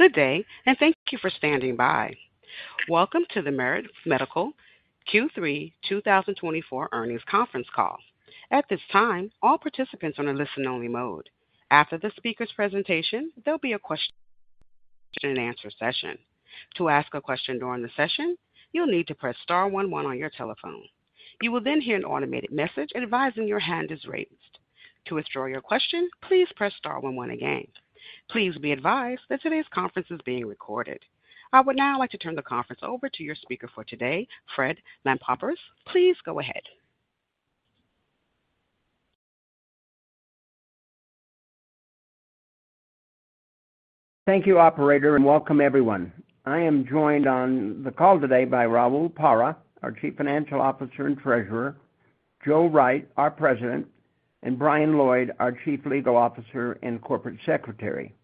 Good day, and thank you for standing by. Welcome to the Merit Medical Q3 2024 earnings conference call. At this time, all participants are in listen-only mode. After the speaker's presentation, there'll be a question and answer session. To ask a question during the session, you'll need to press star one one on your telephone. You will then hear an automated message advising your hand is raised. To withdraw your question, please press star one one again. Please be advised that today's conference is being recorded. I would now like to turn the conference over to your speaker for today, Fred Lampropoulos. Please go ahead. Thank you, Operator, and welcome everyone. I am joined on the call today by Raul Parra, our Chief Financial Officer and Treasurer, Joe Wright, our President, and Brian Lloyd, our Chief Legal Officer and Corporate Secretary.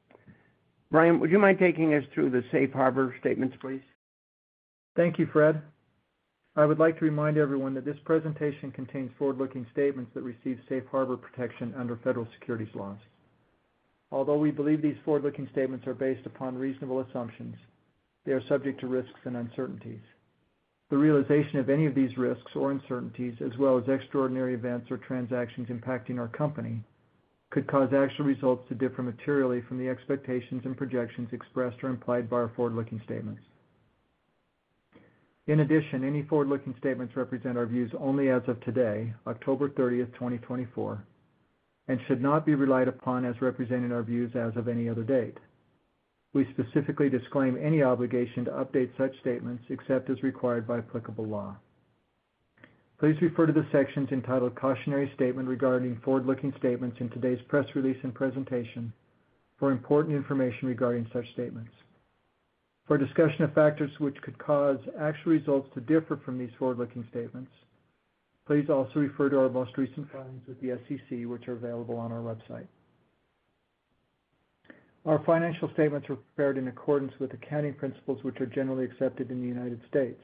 Brian, would you mind taking us through the Safe Harbor statements, please? Thank you, Fred. I would like to remind everyone that this presentation contains forward-looking statements that receive Safe Harbor protection under federal securities laws. Although we believe these forward-looking statements are based upon reasonable assumptions, they are subject to risks and uncertainties. The realization of any of these risks or uncertainties, as well as extraordinary events or transactions impacting our company, could cause actual results to differ materially from the expectations and projections expressed or implied by our forward-looking statements. In addition, any forward-looking statements represent our views only as of today, October 30, 2024, and should not be relied upon as representing our views as of any other date. We specifically disclaim any obligation to update such statements except as required by applicable law. Please refer to the sections entitled "Cautionary Statement Regarding Forward-Looking Statements" in today's press release and presentation for important information regarding such statements. For discussion of factors which could cause actual results to differ from these forward-looking statements, please also refer to our most recent filings with the SEC, which are available on our website. Our financial statements are prepared in accordance with accounting principles, which are generally accepted in the United States.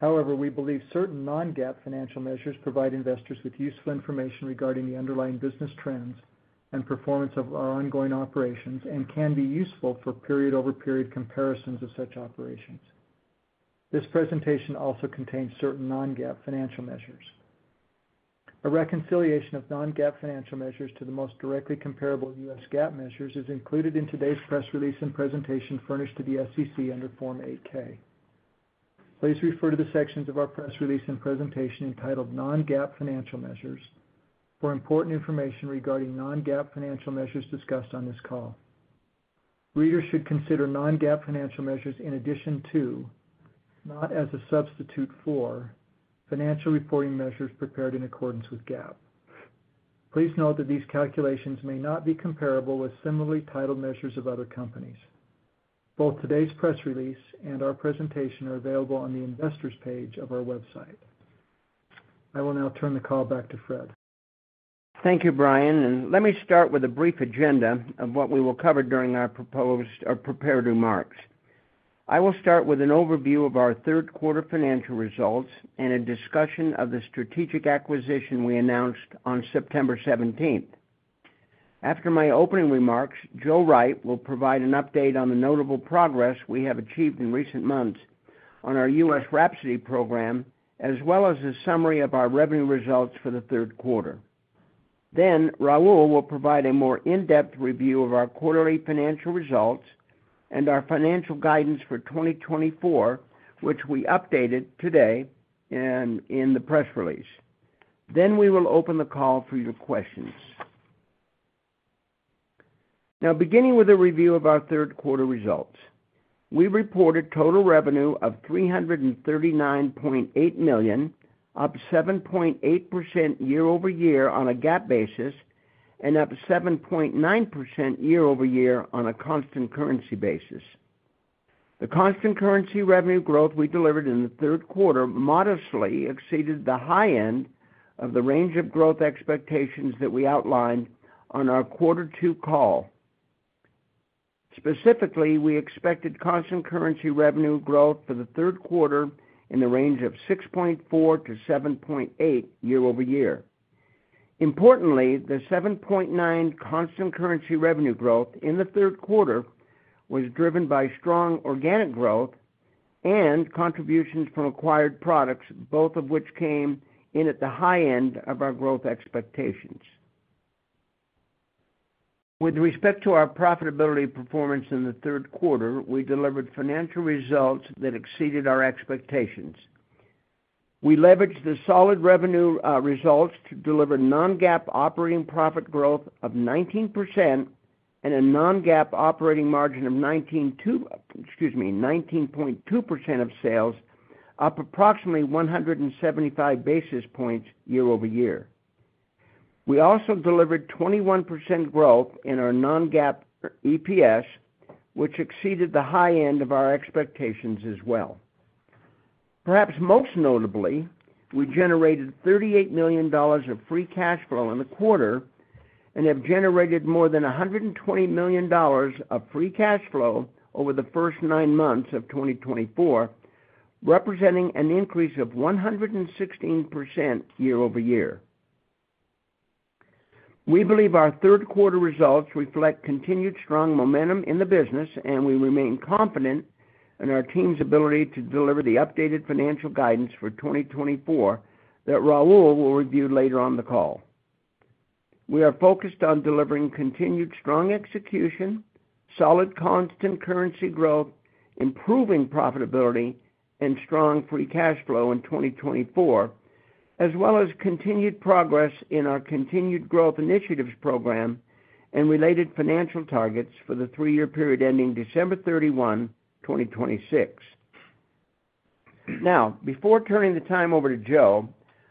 However, we believe certain non-GAAP financial measures provide investors with useful information regarding the underlying business trends and performance of our ongoing operations and can be useful for period-over-period comparisons of such operations. This presentation also contains certain non-GAAP financial measures. A reconciliation of non-GAAP financial measures to the most directly comparable U.S. GAAP measures is included in today's press release and presentation furnished to the SEC under Form 8-K. Please refer to the sections of our press release and presentation entitled "Non-GAAP Financial Measures" for important information regarding non-GAAP financial measures discussed on this call. Readers should consider non-GAAP financial measures in addition to, not as a substitute for, financial reporting measures prepared in accordance with GAAP. Please note that these calculations may not be comparable with similarly titled measures of other companies. Both today's press release and our presentation are available on the Investors page of our website. I will now turn the call back to Fred. Thank you, Brian, and let me start with a brief agenda of what we will cover during our proposed or prepared remarks. I will start with an overview of our third-quarter financial results and a discussion of the strategic acquisition we announced on September 17. After my opening remarks, Joe Wright will provide an update on the notable progress we have achieved in recent months on our U.S. Wrapsody program, as well as a summary of our revenue results for the third quarter. Then Raul will provide a more in-depth review of our quarterly financial results and our financial guidance for 2024, which we updated today in the press release. Then we will open the call for your questions. Now, beginning with a review of our third-quarter results, we reported total revenue of $339.8 million, up 7.8% year-over-year on a GAAP basis and up 7.9% year-over-year on a constant currency basis. The constant currency revenue growth we delivered in the third quarter modestly exceeded the high end of the range of growth expectations that we outlined on our quarter two call. Specifically, we expected constant currency revenue growth for the third quarter in the range of 6.4% to 7.8% year-over-year. Importantly, the 7.9% constant currency revenue growth in the third quarter was driven by strong organic growth and contributions from acquired products, both of which came in at the high end of our growth expectations. With respect to our profitability performance in the third quarter, we delivered financial results that exceeded our expectations. We leveraged the solid revenue results to deliver non-GAAP operating profit growth of 19% and a non-GAAP operating margin of 19.2% of sales, up approximately 175 basis points year-over-year. We also delivered 21% growth in our non-GAAP EPS, which exceeded the high end of our expectations as well. Perhaps most notably, we generated $38 million of free cash flow in the quarter and have generated more than $120 million of free cash flow over the first nine months of 2024, representing an increase of 116% year-over-year. We believe our third-quarter results reflect continued strong momentum in the business, and we remain confident in our team's ability to deliver the updated financial guidance for 2024 that Raul will review later on the call. We are focused on delivering continued strong execution, solid constant currency growth, improving profitability, and strong free cash flow in 2024, as well as continued progress in our Continued Growth Initiatives program and related financial targets for the three-year period ending December 31, 2026. Now, before turning the time over to Joe,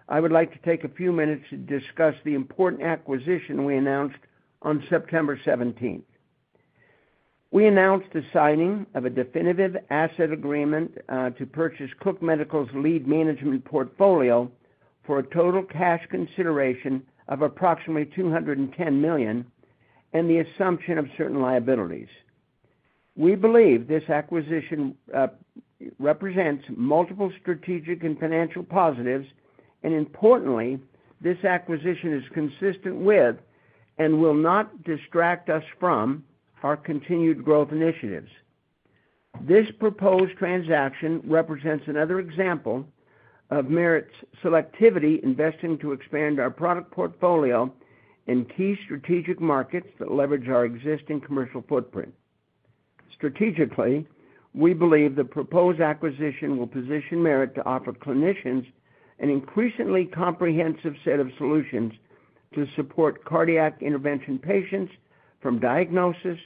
I would like to take a few minutes to discuss the important acquisition we announced on September 17. We announced the signing of a definitive asset purchase agreement to purchase Cook Medical's lead management portfolio for a total cash consideration of approximately $210 million and the assumption of certain liabilities. We believe this acquisition represents multiple strategic and financial positives, and importantly, this acquisition is consistent with and will not distract us from our Continued Growth Initiatives. This proposed transaction represents another example of Merit's selectivity investing to expand our product portfolio in key strategic markets that leverage our existing commercial footprint. Strategically, we believe the proposed acquisition will position Merit to offer clinicians an increasingly comprehensive set of solutions to support cardiac intervention patients from diagnosis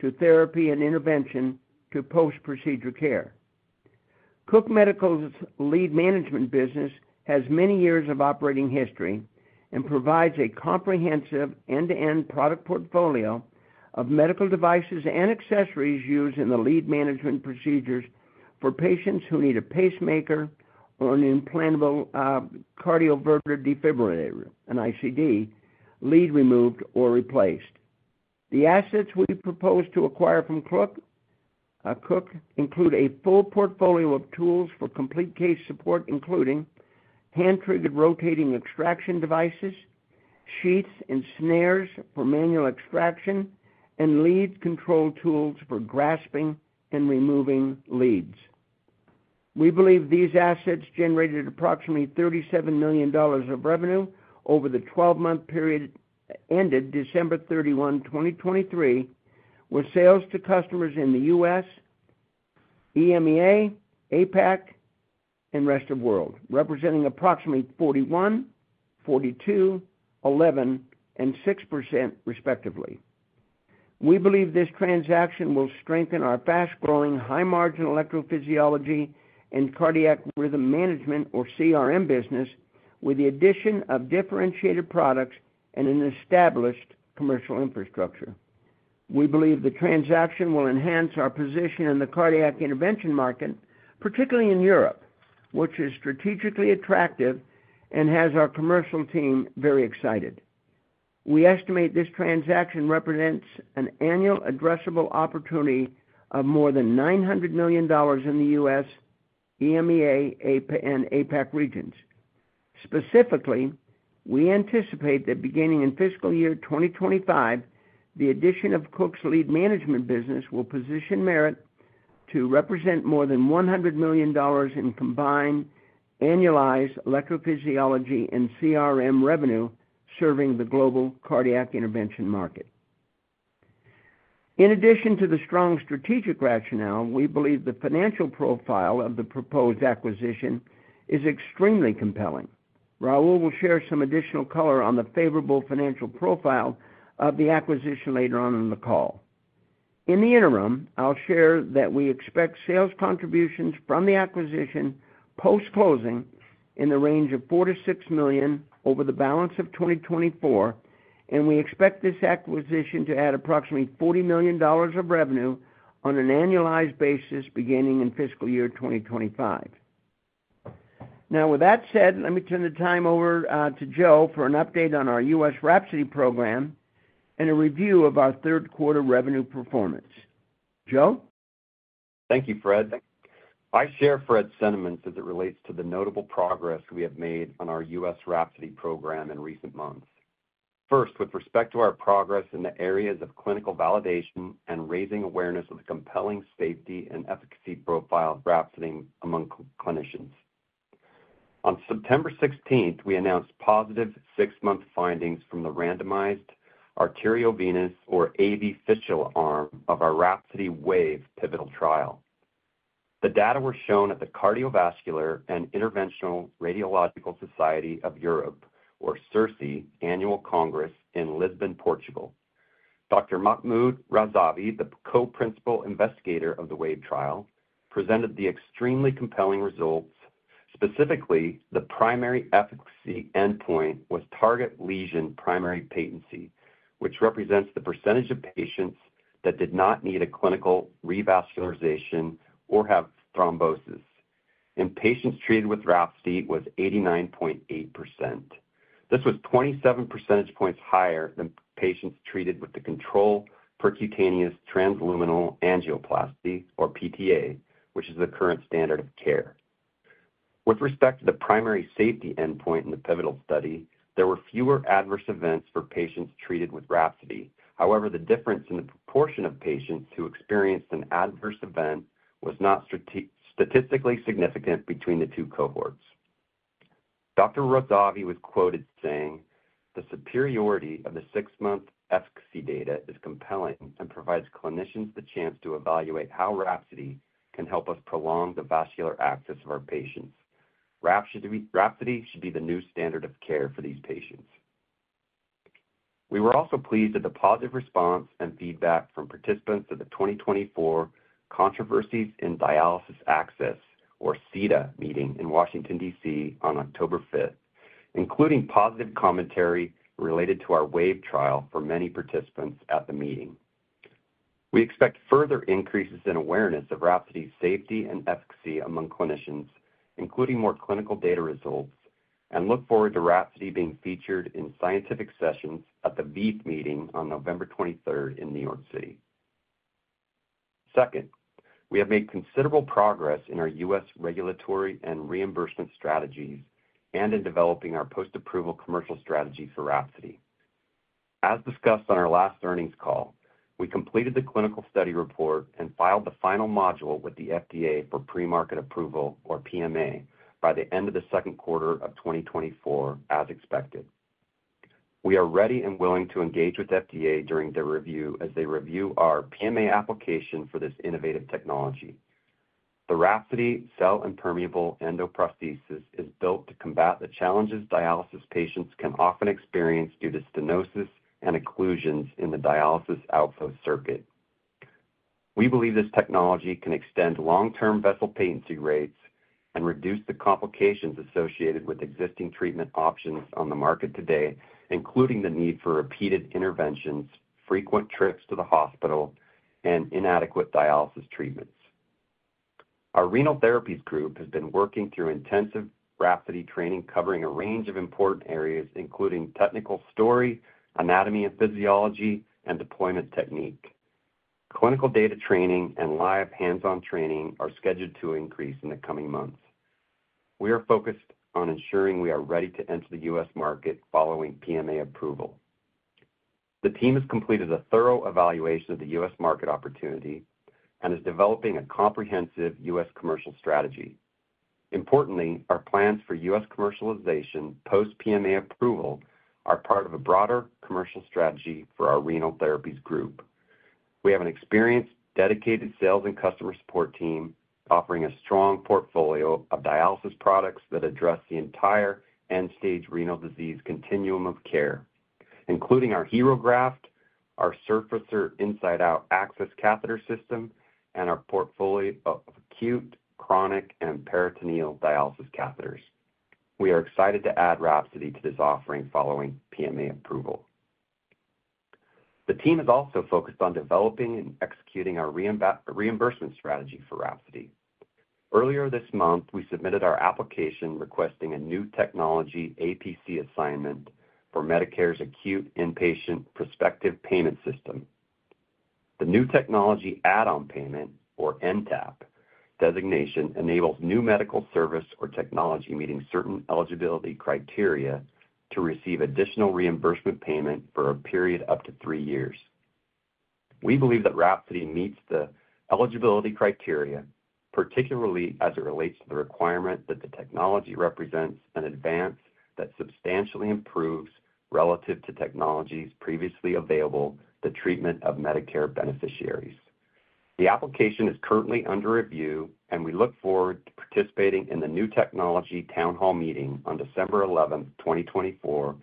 to therapy and intervention to post-procedure care. Cook Medical's lead management business has many years of operating history and provides a comprehensive end-to-end product portfolio of medical devices and accessories used in the lead management procedures for patients who need a pacemaker or an implantable cardioverter defibrillator, an ICD, lead removed or replaced. The assets we propose to acquire from Cook include a full portfolio of tools for complete case support, including hand-triggered rotating extraction devices, sheaths and snares for manual extraction, and lead control tools for grasping and removing leads. We believe these assets generated approximately $37 million of revenue over the 12-month period ended December 31, 2023, with sales to customers in the U.S., EMEA, APAC, and Rest of World, representing approximately 41%, 42%, 11%, and 6% respectively. We believe this transaction will strengthen our fast-growing high-margin electrophysiology and cardiac rhythm management, or CRM, business with the addition of differentiated products and an established commercial infrastructure. We believe the transaction will enhance our position in the cardiac intervention market, particularly in Europe, which is strategically attractive and has our commercial team very excited. We estimate this transaction represents an annual addressable opportunity of more than $900 million in the U.S., EMEA, and APAC regions. Specifically, we anticipate that beginning in fiscal year 2025, the addition of Cook's lead management business will position Merit to represent more than $100 million in combined annualized electrophysiology and CRM revenue serving the global cardiac intervention market. In addition to the strong strategic rationale, we believe the financial profile of the proposed acquisition is extremely compelling. Raul will share some additional color on the favorable financial profile of the acquisition later on in the call. In the interim, I'll share that we expect sales contributions from the acquisition post-closing in the range of $4 to $6 million over the balance of 2024, and we expect this acquisition to add approximately $40 million of revenue on an annualized basis beginning in fiscal year 2025. Now, with that said, let me turn the time over to Joe for an update on our U.S. Wrapsody program and a review of our third-quarter revenue performance. Joe? Thank you, Fred. I share Fred's sentiments as it relates to the notable progress we have made on our U.S. Wrapsody program in recent months. First, with respect to our progress in the areas of clinical validation and raising awareness of the compelling safety and efficacy profile of Wrapsody among clinicians. On September 16, we announced positive six-month findings from the randomized arteriovenous, or AV fistula, arm of our Wrapsody WAVE pivotal trial. The data were shown at the Cardiovascular and Interventional Radiological Society of Europe, or CIRSE, annual congress in Lisbon, Portugal. Dr. Mahmood Razavi, the co-principal investigator of the WAVE trial, presented the extremely compelling results. Specifically, the primary efficacy endpoint was target lesion primary patency, which represents the percentage of patients that did not need a clinical revascularization or have thrombosis. In patients treated with Wrapsody, it was 89.8%. This was 27 percentage points higher than patients treated with the control percutaneous transluminal angioplasty, or PTA, which is the current standard of care. With respect to the primary safety endpoint in the pivotal study, there were fewer adverse events for patients treated with Wrapsody. However, the difference in the proportion of patients who experienced an adverse event was not statistically significant between the two cohorts. Dr. Razavi was quoted saying, "The superiority of the six-month efficacy data is compelling and provides clinicians the chance to evaluate how Wrapsody can help us prolong the vascular access of our patients. Wrapsody should be the new standard of care for these patients." We were also pleased at the positive response and feedback from participants to the 2024 Controversies in Dialysis Access, or CiDA, meeting in Washington, D.C., on October 5, including positive commentary related to our WAVE trial for many participants at the meeting. We expect further increases in awareness of Wrapsody's safety and efficacy among clinicians, including more clinical data results, and look forward to Wrapsody being featured in scientific sessions at the VEITHsymposium meeting on November 23 in New York City. Second, we have made considerable progress in our U.S. regulatory and reimbursement strategies and in developing our post-approval commercial strategy for Wrapsody. As discussed on our last earnings call, we completed the clinical study report and filed the final module with the FDA for pre-market approval, or PMA, by the end of the second quarter of 2024, as expected. We are ready and willing to engage with FDA during their review as they review our PMA application for this innovative technology. The Wrapsody Cell-Impermeable Endoprosthesis is built to combat the challenges dialysis patients can often experience due to stenosis and occlusions in the dialysis outflow circuit. We believe this technology can extend long-term vessel patency rates and reduce the complications associated with existing treatment options on the market today, including the need for repeated interventions, frequent trips to the hospital, and inadequate dialysis treatments. Our Renal Therapies Group has been working through intensive Wrapsody training covering a range of important areas, including technical story, anatomy and physiology, and deployment technique. Clinical data training and live hands-on training are scheduled to increase in the coming months. We are focused on ensuring we are ready to enter the U.S. market following PMA approval. The team has completed a thorough evaluation of the U.S. market opportunity and is developing a comprehensive U.S. commercial strategy. Importantly, our plans for U.S. commercialization post-PMA approval are part of a broader commercial strategy for our Renal Therapies Group. We have an experienced, dedicated sales and customer support team offering a strong portfolio of dialysis products that address the entire end-stage renal disease continuum of care, including our HeRO Graft, our Surfacer Inside-Out Access Catheter System, and our portfolio of acute, chronic, and peritoneal dialysis catheters. We are excited to add Wrapsody to this offering following PMA approval. The team is also focused on developing and executing our reimbursement strategy for Wrapsody. Earlier this month, we submitted our application requesting a new technology APC assignment for Medicare's Acute Inpatient Prospective Payment System. The New Technology Add-on Payment, or NTAP, designation enables new medical service or technology meeting certain eligibility criteria to receive additional reimbursement payment for a period up to three years. We believe that Wrapsody meets the eligibility criteria, particularly as it relates to the requirement that the technology represents an advance that substantially improves relative to technologies previously available to treatment of Medicare beneficiaries. The application is currently under review, and we look forward to participating in the new technology town hall meeting on December 11, 2024,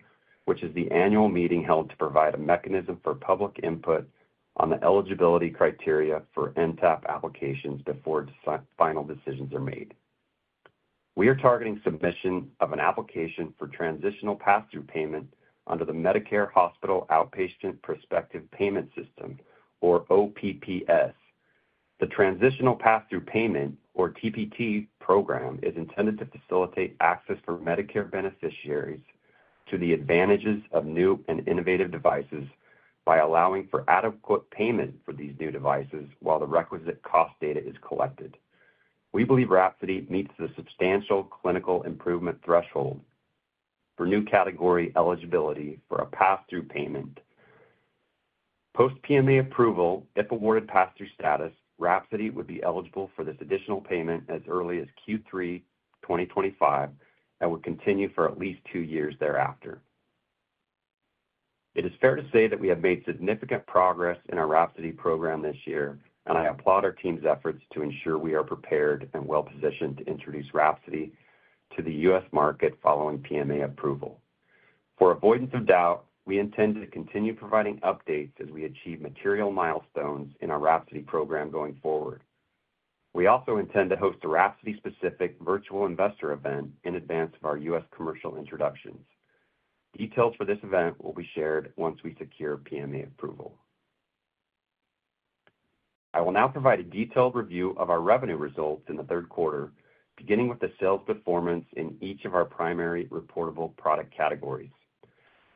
which is the annual meeting held to provide a mechanism for public input on the eligibility criteria for NTAP applications before final decisions are made. We are targeting submission of an application for Transitional Pass-Through Payment under the Medicare Hospital Outpatient Prospective Payment System, or OPPS. The Transitional Pass-Through Payment, or TPT, program is intended to facilitate access for Medicare beneficiaries to the advantages of new and innovative devices by allowing for adequate payment for these new devices while the requisite cost data is collected. We believe Wrapsody meets the substantial clinical improvement threshold for new category eligibility for a pass-through payment. Post-PMA approval, if awarded pass-through status, Wrapsody would be eligible for this additional payment as early as Q3 2025 and would continue for at least two years thereafter. It is fair to say that we have made significant progress in our Wrapsody program this year, and I applaud our team's efforts to ensure we are prepared and well-positioned to introduce Wrapsody to the U.S. market following PMA approval. For avoidance of doubt, we intend to continue providing updates as we achieve material milestones in our Wrapsody program going forward. We also intend to host a Wrapsody-specific virtual investor event in advance of our U.S. commercial introductions. Details for this event will be shared once we secure PMA approval. I will now provide a detailed review of our revenue results in the third quarter, beginning with the sales performance in each of our primary reportable product categories.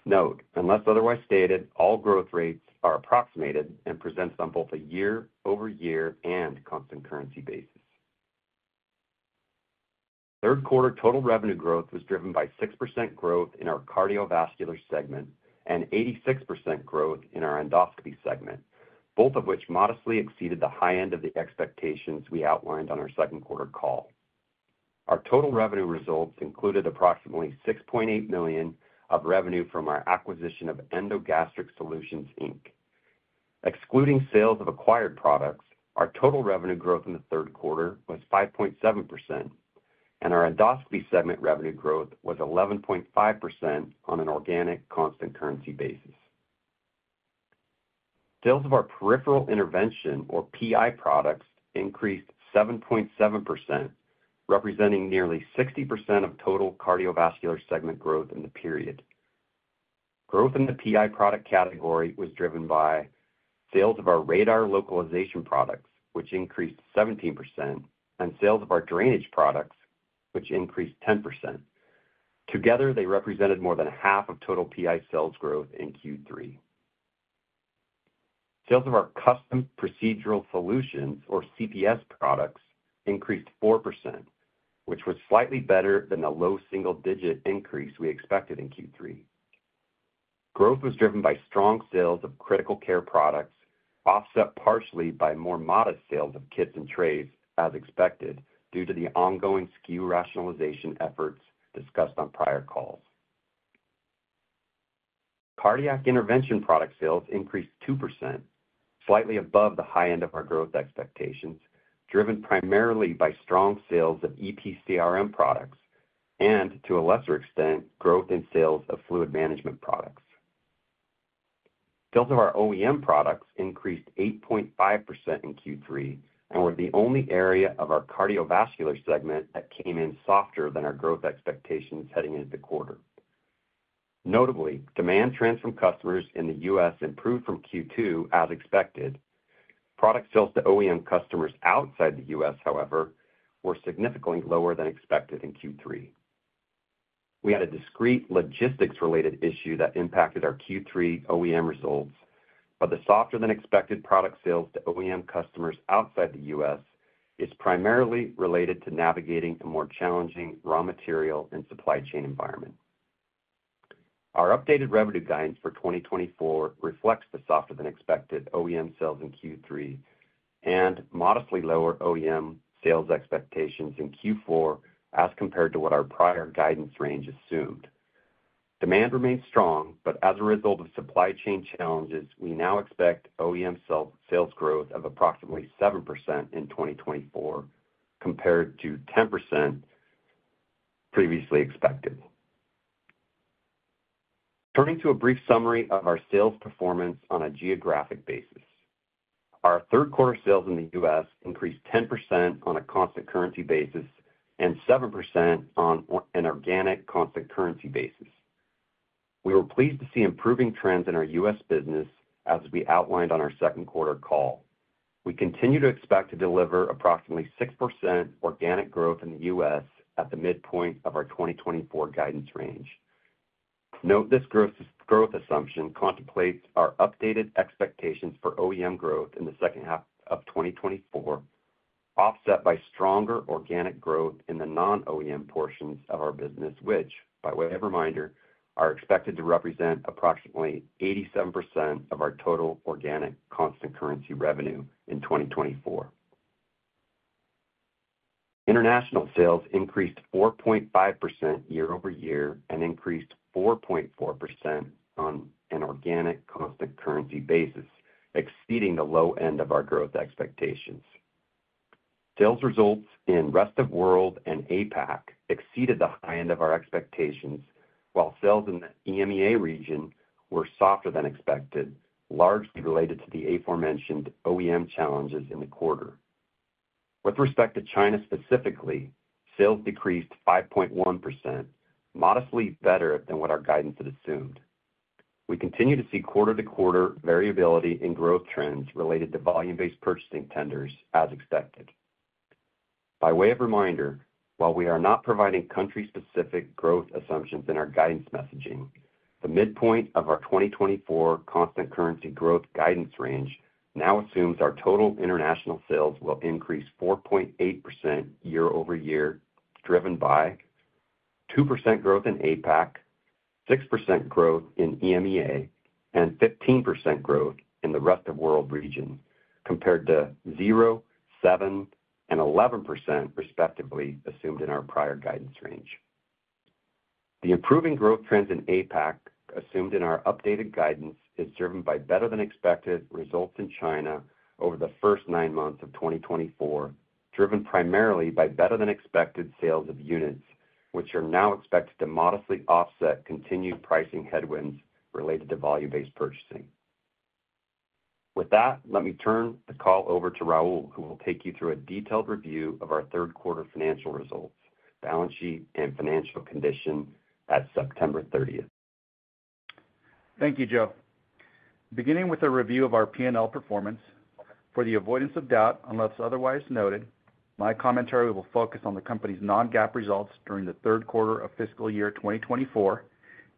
Note: unless otherwise stated, all growth rates are approximated and presented on both a year-over-year and constant currency basis. Third quarter total revenue growth was driven by 6% growth in our cardiovascular segment and 86% growth in our endoscopy segment, both of which modestly exceeded the high end of the expectations we outlined on our second quarter call. Our total revenue results included approximately $6.8 million of revenue from our acquisition of EndoGastric Solutions, Inc. Excluding sales of acquired products, our total revenue growth in the third quarter was 5.7%, and our endoscopy segment revenue growth was 11.5% on an organic constant currency basis. Sales of our peripheral intervention, or PI products, increased 7.7%, representing nearly 60% of total cardiovascular segment growth in the period. Growth in the PI product category was driven by sales of our radar localization products, which increased 17%, and sales of our drainage products, which increased 10%. Together, they represented more than half of total PI sales growth in Q3. Sales of our custom procedural solutions, or CPS products, increased 4%, which was slightly better than the low single-digit increase we expected in Q3. Growth was driven by strong sales of critical care products, offset partially by more modest sales of kits and trays, as expected, due to the ongoing SKU rationalization efforts discussed on prior calls. Cardiac intervention product sales increased 2%, slightly above the high end of our growth expectations, driven primarily by strong sales of EP/CRM products and, to a lesser extent, growth in sales of fluid management products. Sales of our OEM products increased 8.5% in Q3 and were the only area of our cardiovascular segment that came in softer than our growth expectations heading into the quarter. Notably, demand trends from customers in the U.S. improved from Q2, as expected. Product sales to OEM customers outside the U.S., however, were significantly lower than expected in Q3. We had a discrete logistics-related issue that impacted our Q3 OEM results, but the softer-than-expected product sales to OEM customers outside the U.S. is primarily related to navigating a more challenging raw material and supply chain environment. Our updated revenue guidance for 2024 reflects the softer-than-expected OEM sales in Q3 and modestly lower OEM sales expectations in Q4 as compared to what our prior guidance range assumed. Demand remains strong, but as a result of supply chain challenges, we now expect OEM sales growth of approximately 7% in 2024 compared to 10% previously expected. Turning to a brief summary of our sales performance on a geographic basis, our third quarter sales in the U.S. increased 10% on a constant currency basis and 7% on an organic constant currency basis. We were pleased to see improving trends in our U.S. business, as we outlined on our second quarter call. We continue to expect to deliver approximately 6% organic growth in the U.S. at the midpoint of our 2024 guidance range. Note this growth assumption contemplates our updated expectations for OEM growth in the second half of 2024, offset by stronger organic growth in the non-OEM portions of our business, which, by way of reminder, are expected to represent approximately 87% of our total organic constant currency revenue in 2024. International sales increased 4.5% year-over-year and increased 4.4% on an organic constant currency basis, exceeding the low end of our growth expectations. Sales results in Rest of World and APAC exceeded the high end of our expectations, while sales in the EMEA region were softer than expected, largely related to the aforementioned OEM challenges in the quarter. With respect to China specifically, sales decreased 5.1%, modestly better than what our guidance had assumed. We continue to see quarter-to-quarter variability in growth trends related to volume-based purchasing tenders, as expected. By way of reminder, while we are not providing country-specific growth assumptions in our guidance messaging, the midpoint of our 2024 constant currency growth guidance range now assumes our total international sales will increase 4.8% year-over-year, driven by 2% growth in APAC, 6% growth in EMEA, and 15% growth in the Rest of World region, compared to 0%, 7%, and 11%, respectively, assumed in our prior guidance range. The improving growth trends in APAC assumed in our updated guidance is driven by better-than-expected results in China over the first nine months of 2024, driven primarily by better-than-expected sales of units, which are now expected to modestly offset continued pricing headwinds related to volume-based purchasing. With that, let me turn the call over to Raul, who will take you through a detailed review of our third quarter financial results, balance sheet, and financial condition at September 30. Thank you, Joe. Beginning with a review of our P&L performance, for the avoidance of doubt unless otherwise noted, my commentary will focus on the company's non-GAAP results during the third quarter of fiscal year 2024,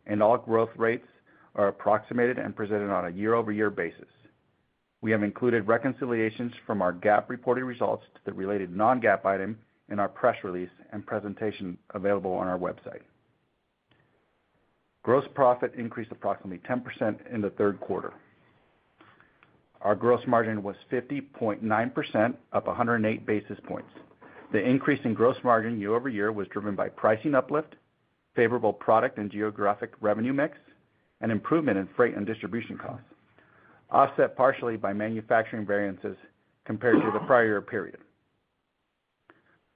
and all growth rates are approximated and presented on a year-over-year basis. We have included reconciliations from our GAAP reported results to the related non-GAAP item in our press release and presentation available on our website. Gross profit increased approximately 10% in the third quarter. Our gross margin was 50.9%, up 108 basis points. The increase in gross margin year-over-year was driven by pricing uplift, favorable product and geographic revenue mix, and improvement in freight and distribution costs, offset partially by manufacturing variances compared to the prior year period.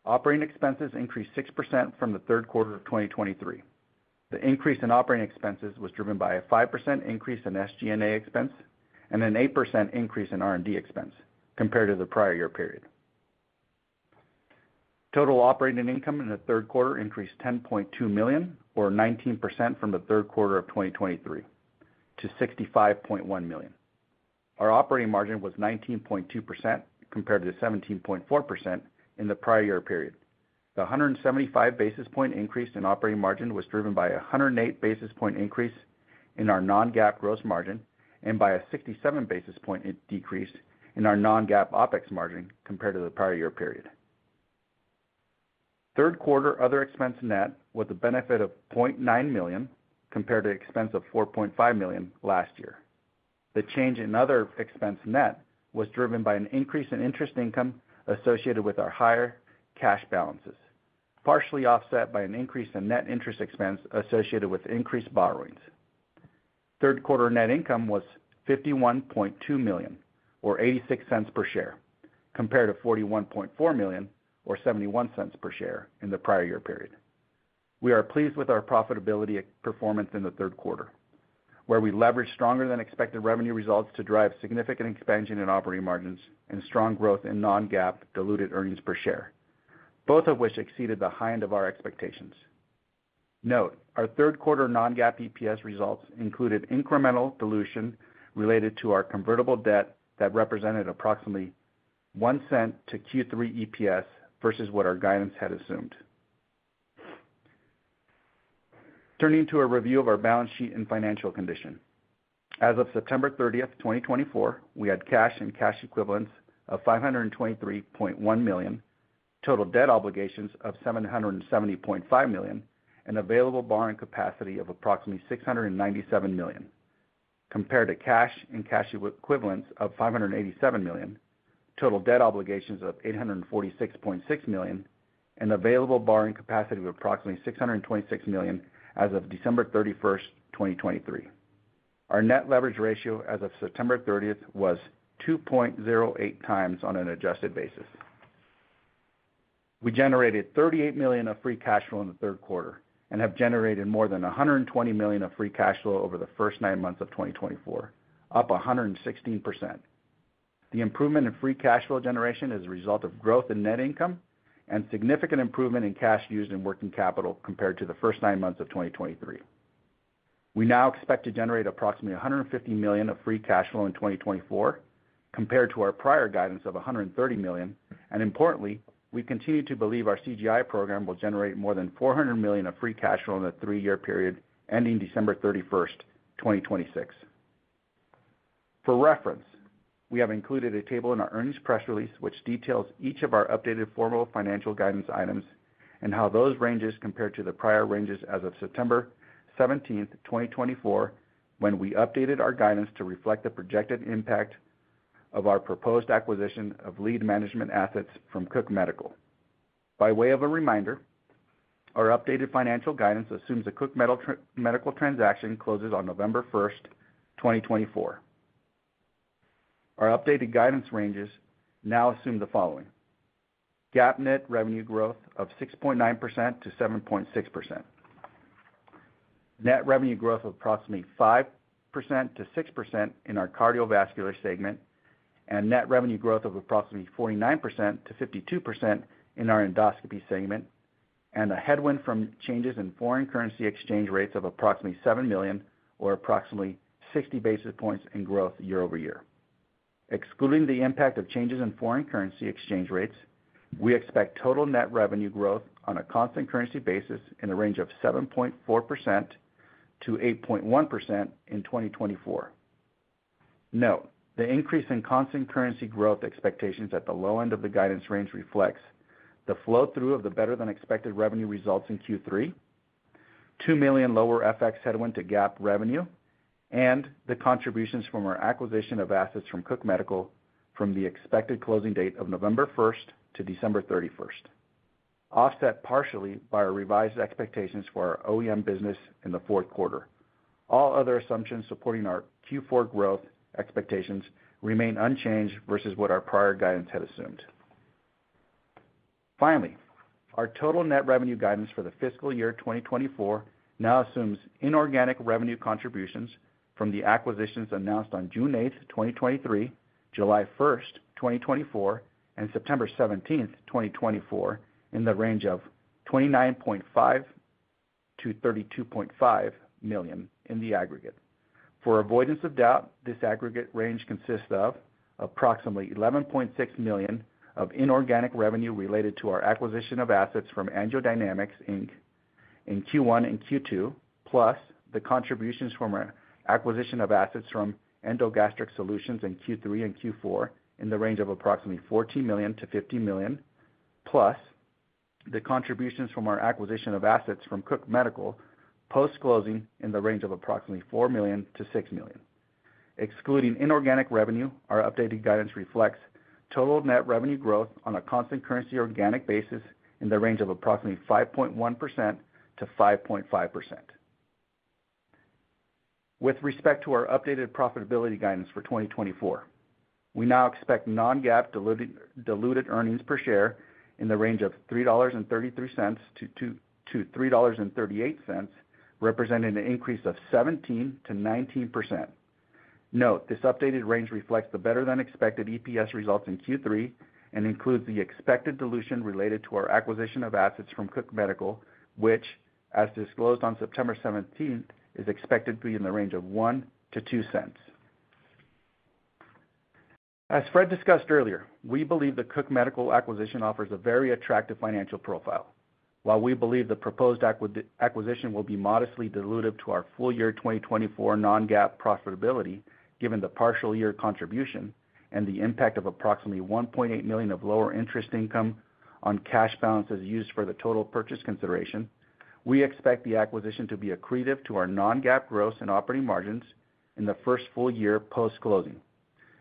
Operating expenses increased 6% from the third quarter of 2023. The increase in operating expenses was driven by a 5% increase in SG&A expense and an 8% increase in R&D expense compared to the prior year period. Total operating income in the third quarter increased $10.2 million, or 19% from the third quarter of 2023, to $65.1 million. Our operating margin was 19.2% compared to 17.4% in the prior year period. The 175 basis point increase in operating margin was driven by a 108 basis point increase in our non-GAAP gross margin and by a 67 basis point decrease in our non-GAAP OpEx margin compared to the prior year period. Third quarter other expense net was a benefit of $0.9 million compared to expense of $4.5 million last year. The change in other expense net was driven by an increase in interest income associated with our higher cash balances, partially offset by an increase in net interest expense associated with increased borrowings. Third quarter net income was $51.2 million, or $0.86 per share, compared to $41.4 million, or $0.71 per share, in the prior year period. We are pleased with our profitability performance in the third quarter, where we leveraged stronger-than-expected revenue results to drive significant expansion in operating margins and strong growth in non-GAAP diluted earnings per share, both of which exceeded the high end of our expectations. Note: our third quarter non-GAAP EPS results included incremental dilution related to our convertible debt that represented approximately $0.01 to Q3 EPS versus what our guidance had assumed. Turning to a review of our balance sheet and financial condition. As of September 30, 2024, we had cash and cash equivalents of $523.1 million, total debt obligations of $770.5 million, and available borrowing capacity of approximately $697 million, compared to cash and cash equivalents of $587 million, total debt obligations of $846.6 million, and available borrowing capacity of approximately $626 million as of December 31, 2023. Our net leverage ratio as of September 30 was 2.08 times on an adjusted basis. We generated $38 million of free cash flow in the third quarter and have generated more than $120 million of free cash flow over the first nine months of 2024, up 116%. The improvement in free cash flow generation is a result of growth in net income and significant improvement in cash used in working capital compared to the first nine months of 2023. We now expect to generate approximately $150 million of free cash flow in 2024, compared to our prior guidance of $130 million. And importantly, we continue to believe our CGI program will generate more than $400 million of free cash flow in the three-year period ending December 31, 2026. For reference, we have included a table in our earnings press release, which details each of our updated formal financial guidance items and how those ranges compared to the prior ranges as of September 17, 2024, when we updated our guidance to reflect the projected impact of our proposed acquisition of lead management assets from Cook Medical. By way of a reminder, our updated financial guidance assumes a Cook Medical transaction closes on November 1, 2024. Our updated guidance ranges now assume the following: GAAP net revenue growth of 6.9% to 7.6%, net revenue growth of approximately 5% to 6% in our cardiovascular segment, and net revenue growth of approximately 49% to 52% in our endoscopy segment, and a headwind from changes in foreign currency exchange rates of approximately $7 million, or approximately 60 basis points in growth year-over-year. Excluding the impact of changes in foreign currency exchange rates, we expect total net revenue growth on a constant currency basis in the range of 7.4% to 8.1% in 2024. Note: The increase in constant currency growth expectations at the low end of the guidance range reflects the flow-through of the better-than-expected revenue results in Q3, $2 million lower FX headwind to GAAP revenue, and the contributions from our acquisition of assets from Cook Medical from the expected closing date of November 1 to December 31, offset partially by our revised expectations for our OEM business in the fourth quarter. All other assumptions supporting our Q4 growth expectations remain unchanged versus what our prior guidance had assumed. Finally, our total net revenue guidance for the fiscal year 2024 now assumes inorganic revenue contributions from the acquisitions announced on June 8, 2023, July 1, 2024, and September 17, 2024, in the range of $29.5 to $32.5 million in the aggregate. For avoidance of doubt, this aggregate range consists of approximately $11.6 million of inorganic revenue related to our acquisition of assets from AngioDynamics, Inc. in Q1 and Q2, plus the contributions from our acquisition of assets from EndoGastric Solutions in Q3 and Q4 in the range of approximately $14 million to $50 million, plus the contributions from our acquisition of assets from Cook Medical post-closing in the range of approximately $4 million to $6 million. Excluding inorganic revenue, our updated guidance reflects total net revenue growth on a constant currency organic basis in the range of approximately 5.1% to 5.5%. With respect to our updated profitability guidance for 2024, we now expect non-GAAP diluted earnings per share in the range of $3.33 to $3.38, representing an increase of 17% to 19%. Note: this updated range reflects the better-than-expected EPS results in Q3 and includes the expected dilution related to our acquisition of assets from Cook Medical, which, as disclosed on September 17, is expected to be in the range of $0.01 to $0.02. As Fred discussed earlier, we believe the Cook Medical acquisition offers a very attractive financial profile. While we believe the proposed acquisition will be modestly diluted to our full year 2024 non-GAAP profitability, given the partial year contribution and the impact of approximately $1.8 million of lower interest income on cash balances used for the total purchase consideration, we expect the acquisition to be accretive to our non-GAAP gross and operating margins in the first full year post-closing.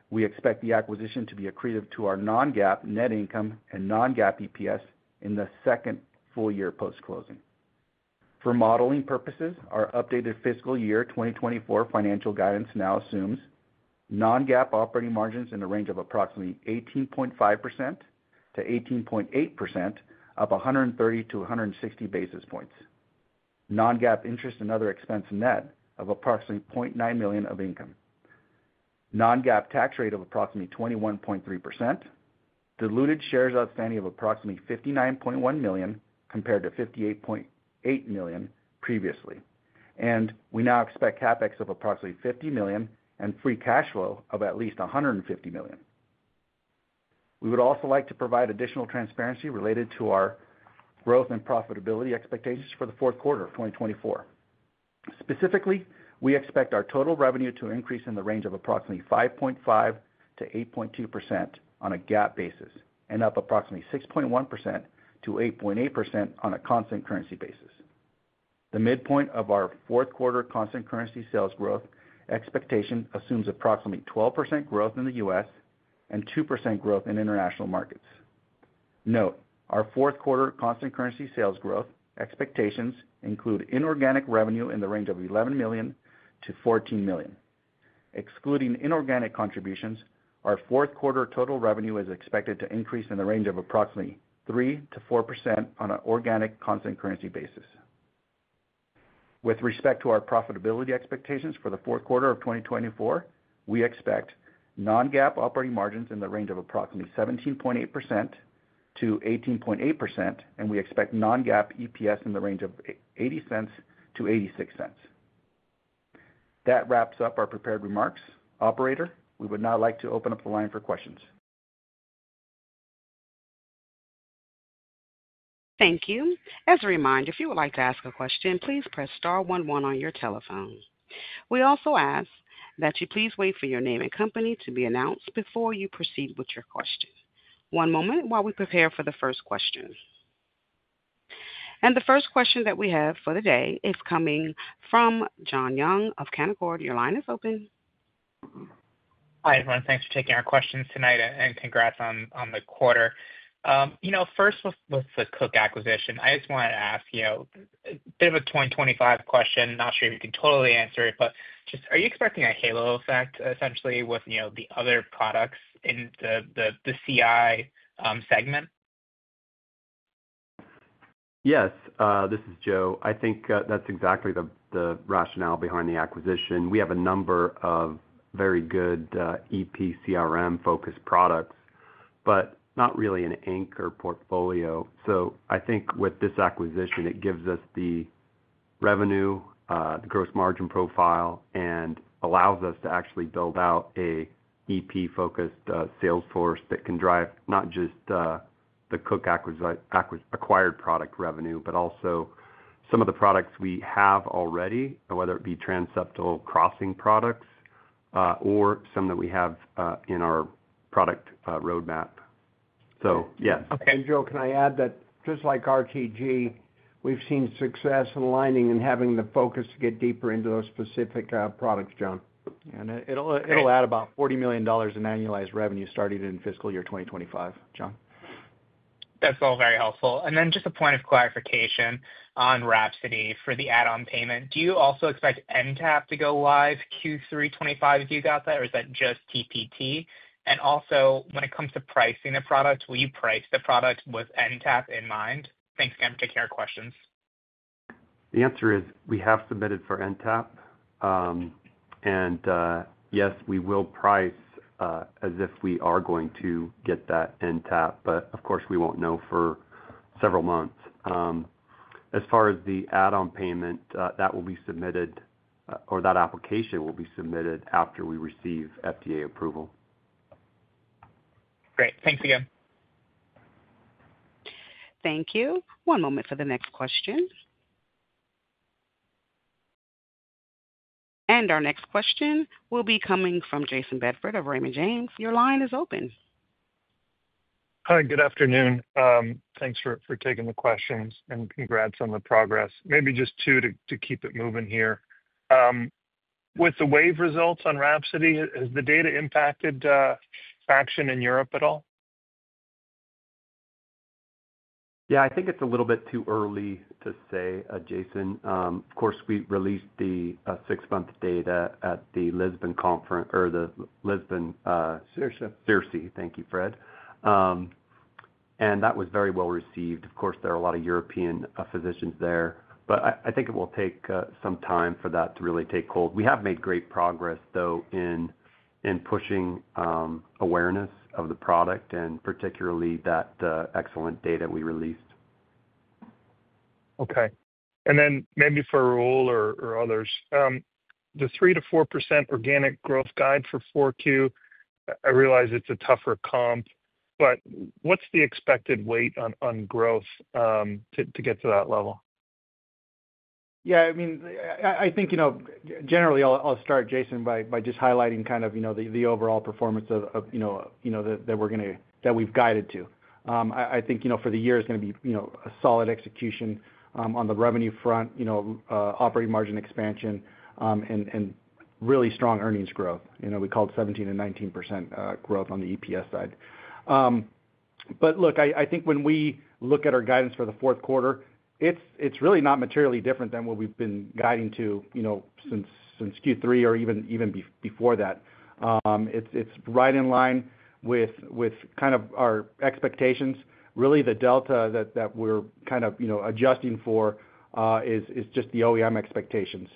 We expect the acquisition to be accretive to our non-GAAP net income and non-GAAP EPS in the second full year post-closing. For modeling purposes, our updated fiscal year 2024 financial guidance now assumes non-GAAP operating margins in the range of approximately 18.5% to 18.8%, up 130-160 basis points. Non-GAAP interest and other expense net of approximately $0.9 million of income, non-GAAP tax rate of approximately 21.3%, diluted shares outstanding of approximately 59.1 million compared to 58.8 million previously, and we now expect CapEx of approximately $50 million and free cash flow of at least $150 million. We would also like to provide additional transparency related to our growth and profitability expectations for the fourth quarter of 2024. Specifically, we expect our total revenue to increase in the range of approximately 5.5% to 8.2% on a GAAP basis and up approximately 6.1% to 8.8% on a constant currency basis. The midpoint of our fourth quarter constant currency sales growth expectation assumes approximately 12% growth in the U.S. and 2% growth in international markets. Note: our fourth quarter constant currency sales growth expectations include inorganic revenue in the range of $11 million to $14 million. Excluding inorganic contributions, our fourth quarter total revenue is expected to increase in the range of approximately 3% to 4% on an organic constant currency basis. With respect to our profitability expectations for the fourth quarter of 2024, we expect non-GAAP operating margins in the range of approximately 17.8% to 18.8%, and we expect non-GAAP EPS in the range of $0.80 to $0.86. That wraps up our prepared remarks. Operator, we would now like to open up the line for questions. Thank you. As a reminder, if you would like to ask a question, please press star one one on your telephone. We also ask that you please wait for your name and company to be announced before you proceed with your question. One moment while we prepare for the first question. And the first question that we have for the day is coming from Jon Young of Canaccord. Your line is open. Hi, everyone. Thanks for taking our questions tonight and congrats on the quarter. You know, first with the Cook acquisition, I just wanted to ask you a bit of a 2025 question. Not sure if you can totally answer it, but just are you expecting a halo effect essentially with the other products in the CI segment? Yes, this is Joe. I think that's exactly the rationale behind the acquisition. We have a number of very good EP/CRM-focused products, but not really an anchor portfolio. So I think with this acquisition, it gives us the revenue, the gross margin profile, and allows us to actually build out an EP-focused sales force that can drive not just the Cook acquired product revenue, but also some of the products we have already, whether it be transseptal crossing products or some that we have in our product roadmap. So yes. And Joe, can I add that just like RTG, we've seen success in aligning and having the focus to get deeper into those specific products, Jon? And it'll add about $40 million in annualized revenue starting in fiscal year 2025, Jon. That's all very helpful. And then just a point of clarification on Wrapsody for the add-on payment. Do you also expect NTAP to go live Q3 2025 if you got that, or is that just TPT? And also, when it comes to pricing the product, will you price the product with NTAP in mind? Thanks again for taking our questions. The answer is we have submitted for NTAP. And yes, we will price as if we are going to get that NTAP, but of course, we won't know for several months. As far as the add-on payment, that will be submitted, or that application will be submitted after we receive FDA approval. Great. Thanks again. Thank you. One moment for the next question. And our next question will be coming from Jason Bedford of Raymond James. Your line is open. Hi, good afternoon. Thanks for taking the questions and congrats on the progress. Maybe just two to keep it moving here. With the WAVE results on Wrapsody, has the data impacted action in Europe at all? Yeah, I think it's a little bit too early to say, Jason. Of course, we released the six-month data at the Lisbon Conference or the Lisbon CIRSE. CIRSE. Thank you, Fred. And that was very well received. Of course, there are a lot of European physicians there, but I think it will take some time for that to really take hold. We have made great progress, though, in pushing awareness of the product and particularly that excellent data we released. Okay. And then maybe for Raul or others, the 3% to 4% organic growth guide for 4Q, I realize it's a tougher comp, but what's the expected weight on growth to get to that level? Yeah, I mean, I think generally I'll start, Jason, by just highlighting kind of the overall performance that we're going to that we've guided to. I think for the year it's going to be a solid execution on the revenue front, operating margin expansion, and really strong earnings growth. We called 17% and 19% growth on the EPS side. But look, I think when we look at our guidance for the fourth quarter, it's really not materially different than what we've been guiding to since Q3 or even before that. It's right in line with kind of our expectations. Really, the delta that we're kind of adjusting for is just the OEM expectations.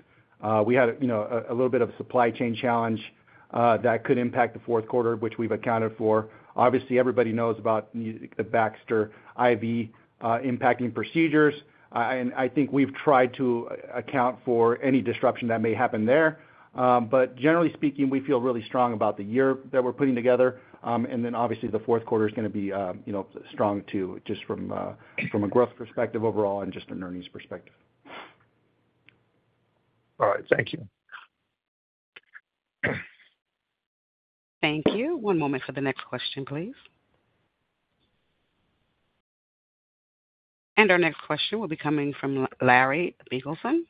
We had a little bit of a supply chain challenge that could impact the fourth quarter, which we've accounted for. Obviously, everybody knows about the Baxter IV impacting procedures. And I think we've tried to account for any disruption that may happen there. But generally speaking, we feel really strong about the year that we're putting together. And then obviously, the fourth quarter is going to be strong too just from a growth perspective overall and just an earnings perspective. All right. Thank you. Thank you. One moment for the next question, please. And our next question will be coming from Larry Biegelsen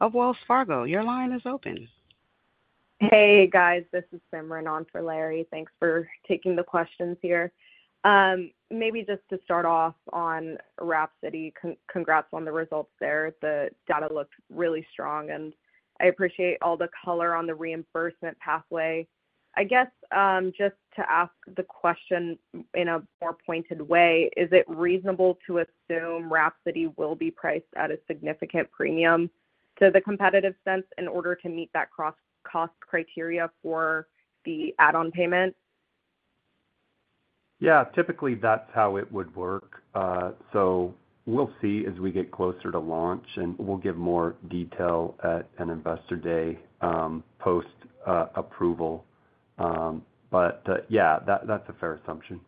of Wells Fargo. Your line is open. Hey, guys. This is Simran on for Larry. Thanks for taking the questions here. Maybe just to start off on Wrapsody, congrats on the results there. The data looked really strong, and I appreciate all the color on the reimbursement pathway. I guess just to ask the question in a more pointed way, is it reasonable to assume Wrapsody will be priced at a significant premium to the competitive sense in order to meet that cross-cost criteria for the add-on payment? Yeah, typically that's how it would work. So we'll see as we get closer to launch, and we'll give more detail at an investor day post-approval. But yeah, that's a fair assumption.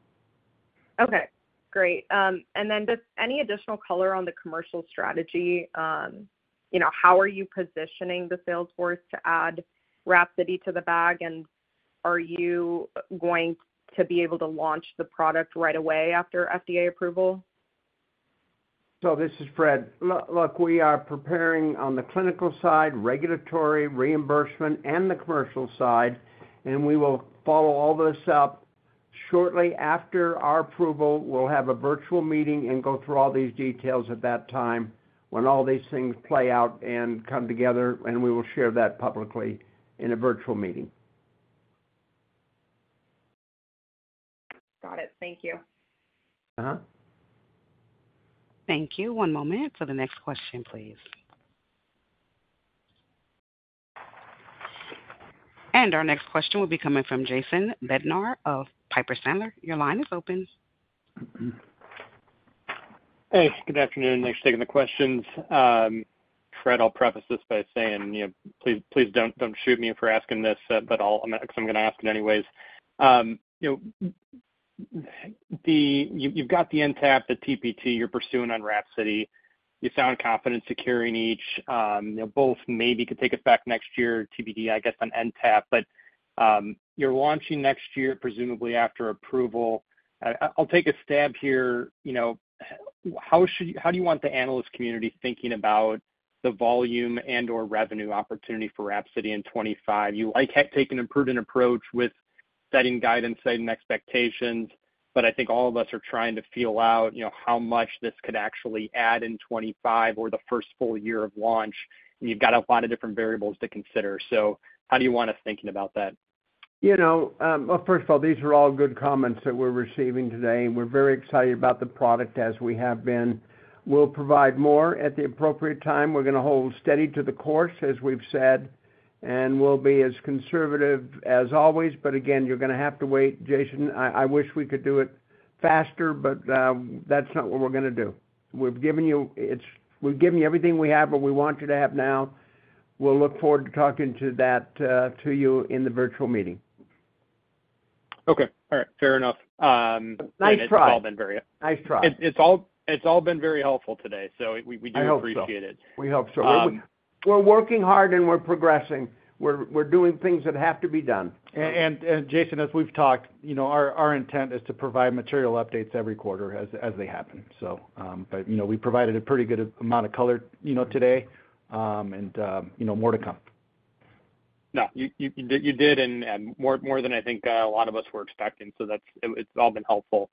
Okay. Great. And then just any additional color on the commercial strategy? How are you positioning the sales force to add Wrapsody to the bag? And are you going to be able to launch the product right away after FDA approval? So this is Fred. Look, we are preparing on the clinical side, regulatory reimbursement, and the commercial side. And we will follow all this up shortly after our approval. We'll have a virtual meeting and go through all these details at that time when all these things play out and come together, and we will share that publicly in a virtual meeting. Got it. Thank you. Thank you. One moment for the next question, please. And our next question will be coming from Jason Bednar of Piper Sandler. Your line is open. Hey, good afternoon. Thanks for taking the questions. Fred, I'll preface this by saying, please don't shoot me for asking this, but I'm going to ask it anyways. You've got the NTAP, the TPT you're pursuing on Wrapsody. You sound confident securing each. Both maybe could take us back next year, TPT, I guess, on NTAP, but you're launching next year presumably after approval. I'll take a stab here. How do you want the analyst community thinking about the volume and/or revenue opportunity for Wrapsody in 2025? You like taking a prudent approach with setting guidance, setting expectations, but I think all of us are trying to feel out how much this could actually add in 2025 or the first full year of launch. You've got a lot of different variables to consider. So how do you want us thinking about that? You know, well, first of all, these are all good comments that we're receiving today. We're very excited about the product as we have been. We'll provide more at the appropriate time. We're going to hold steady to the course, as we've said, and we'll be as conservative as always. But again, you're going to have to wait. Jason, I wish we could do it faster, but that's not what we're going to do. We've given you everything we have, but we want you to have now. We'll look forward to talking to you in the virtual meeting. Okay. All right. Fair enough. Nice try. It's all been very helpful today. So we do appreciate it. We hope so. We're working hard and we're progressing. We're doing things that have to be done. And Jason, as we've talked, our intent is to provide material updates every quarter as they happen. But we provided a pretty good amount of color today and more to come. No, you did more than I think a lot of us were expecting. So it's all been helpful.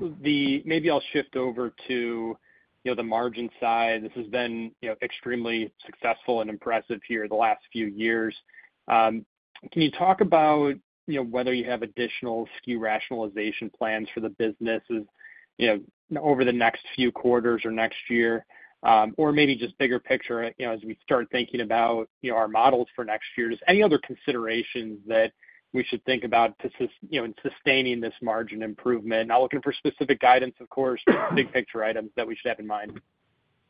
Maybe I'll shift over to the margin side. This has been extremely successful and impressive here the last few years. Can you talk about whether you have additional SKU rationalization plans for the business over the next few quarters or next year, or maybe just bigger picture as we start thinking about our models for next year? Just any other considerations that we should think about in sustaining this margin improvement? Not looking for specific guidance, of course, but big picture items that we should have in mind.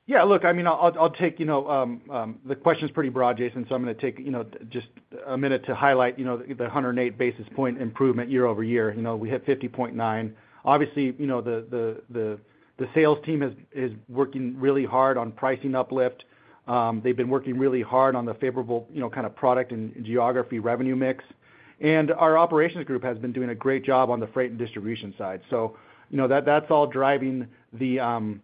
Yeah. Look, I mean, I'll take the question is pretty broad, Jason. So I'm going to take just a minute to highlight the 108 basis points improvement year-over-year. We hit 50.9%. Obviously, the sales team is working really hard on pricing uplift. They've been working really hard on the favorable kind of product and geography revenue mix. And our operations group has been doing a great job on the freight and distribution side. So that's all driving the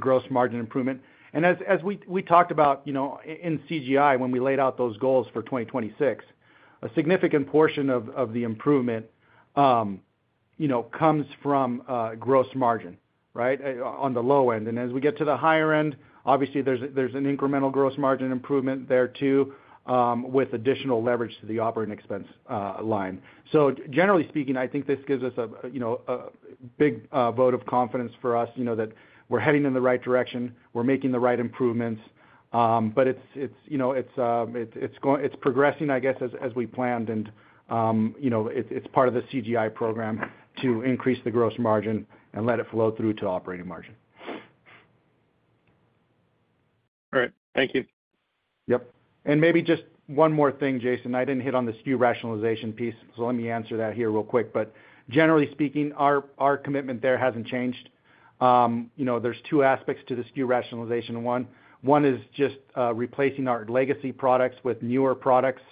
gross margin improvement. And as we talked about in CGI, when we laid out those goals for 2026, a significant portion of the improvement comes from gross margin, right, on the low end. And as we get to the higher end, obviously, there's an incremental gross margin improvement there too with additional leverage to the operating expense line. Generally speaking, I think this gives us a big vote of confidence for us that we're heading in the right direction. We're making the right improvements. But it's progressing, I guess, as we planned. It's part of the CGI program to increase the gross margin and let it flow through to operating margin. All right. Thank you. Yep. And maybe just one more thing, Jason. I didn't hit on the SKU rationalization piece, so let me answer that here real quick. But generally speaking, our commitment there hasn't changed. There's two aspects to the SKU rationalization. One is just replacing our legacy products with newer products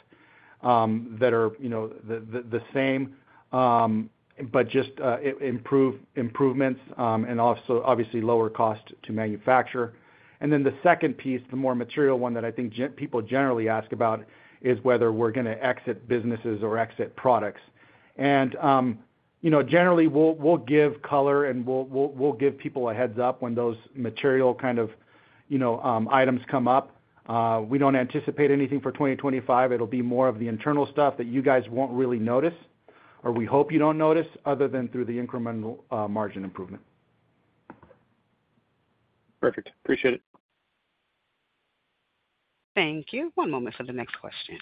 that are the same, but just improvements and also obviously lower cost to manufacture. And then the second piece, the more material one that I think people generally ask about, is whether we're going to exit businesses or exit products. And generally, we'll give color and we'll give people a heads up when those material kind of items come up. We don't anticipate anything for 2025. It'll be more of the internal stuff that you guys won't really notice, or we hope you don't notice, other than through the incremental margin improvement. Perfect. Appreciate it. Thank you. One moment for the next question.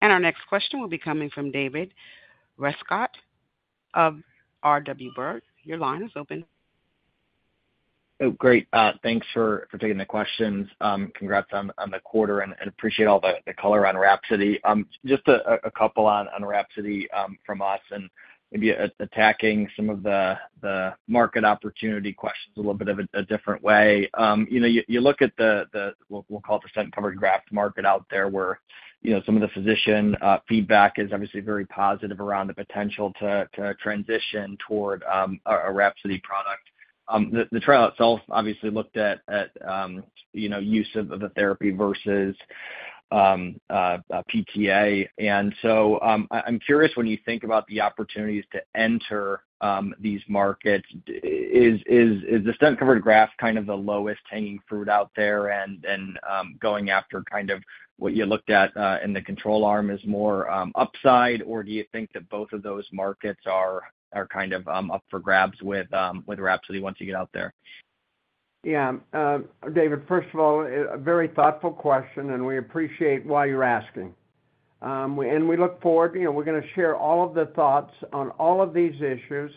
And our next question will be coming from David Rescott of Robert W. Baird. Your line is open. Great. Thanks for taking the questions. Congrats on the quarter and appreciate all the color on Wrapsody. Just a couple on Wrapsody from us and maybe attacking some of the market opportunity questions a little bit of a different way. You look at the, we'll call it the stent covered graft market out there where some of the physician feedback is obviously very positive around the potential to transition toward a Wrapsody product. The trial itself obviously looked at use of the therapy versus PTA. And so I'm curious when you think about the opportunities to enter these markets, is the stent covered graft kind of the lowest hanging fruit out there and going after kind of what you looked at in the control arm is more upside, or do you think that both of those markets are kind of up for grabs with Wrapsody once you get out there? Yeah. David, first of all, a very thoughtful question, and we appreciate why you're asking. And we look forward. We're going to share all of the thoughts on all of these issues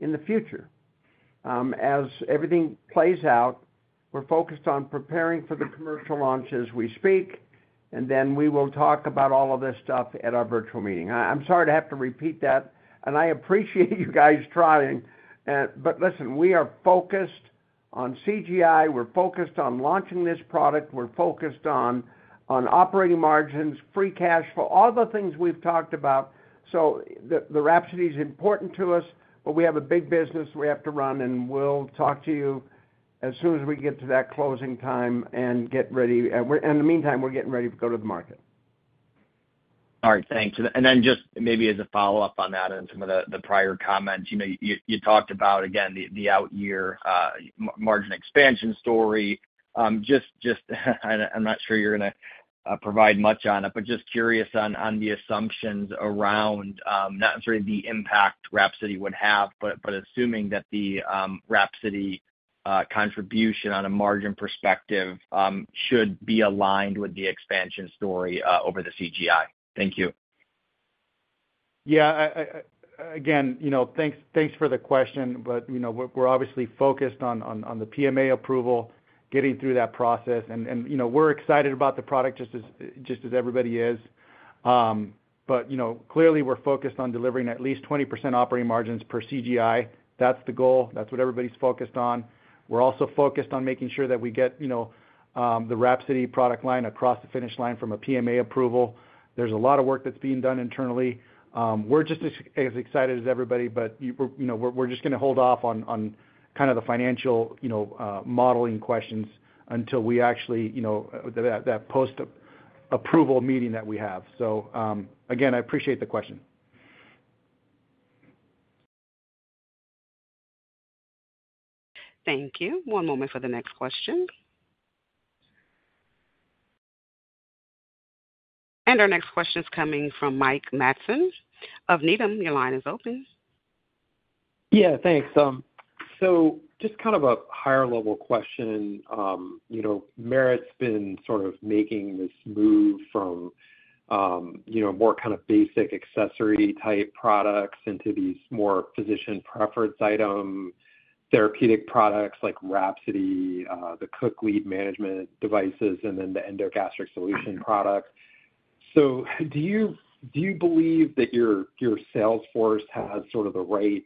in the future. As everything plays out, we're focused on preparing for the commercial launch as we speak. And then we will talk about all of this stuff at our virtual meeting. I'm sorry to have to repeat that. And I appreciate you guys trying. But listen, we are focused on CGI. We're focused on launching this product. We're focused on operating margins, free cash flow, all the things we've talked about. So the Wrapsody is important to us, but we have a big business we have to run. And we'll talk to you as soon as we get to that closing time and get ready. And in the meantime, we're getting ready to go to the market. All right. Thanks. And then just maybe as a follow-up on that and some of the prior comments, you talked about, again, the out-year margin expansion story. Just, I'm not sure you're going to provide much on it, but just curious on the assumptions around not necessarily the impact Wrapsody would have, but assuming that the Wrapsody contribution on a margin perspective should be aligned with the expansion story over the CGI. Thank you. Yeah. Again, thanks for the question, but we're obviously focused on the PMA approval, getting through that process. And we're excited about the product just as everybody is. But clearly, we're focused on delivering at least 20% operating margins per CGI. That's the goal. That's what everybody's focused on. We're also focused on making sure that we get the Wrapsody product line across the finish line from a PMA approval. There's a lot of work that's being done internally. We're just as excited as everybody, but we're just going to hold off on kind of the financial modeling questions until we actually have that post-approval meeting that we have. So again, I appreciate the question. Thank you. One moment for the next question. And our next question is coming from Mike Matson of Needham. Your line is open. Yeah. Thanks. So just kind of a higher-level question. Merit's been sort of making this move from more kind of basic accessory-type products into these more physician-preferred items, therapeutic products like Wrapsody, the Cook lead management devices, and then the EndoGastric Solutions products. So do you believe that your sales force has sort of the right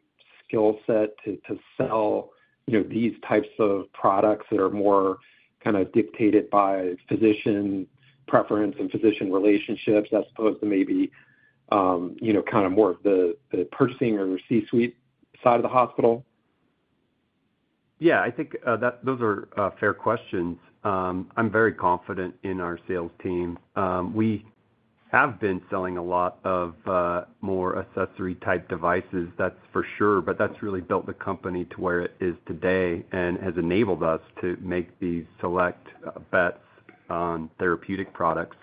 skill set to sell these types of products that are more kind of dictated by physician preference and physician relationships as opposed to maybe kind of more of the purchasing or C-suite side of the hospital? Yeah. I think those are fair questions. I'm very confident in our sales team. We have been selling a lot more accessory-type devices, that's for sure, but that's really built the company to where it is today and has enabled us to make these select bets on therapeutic products.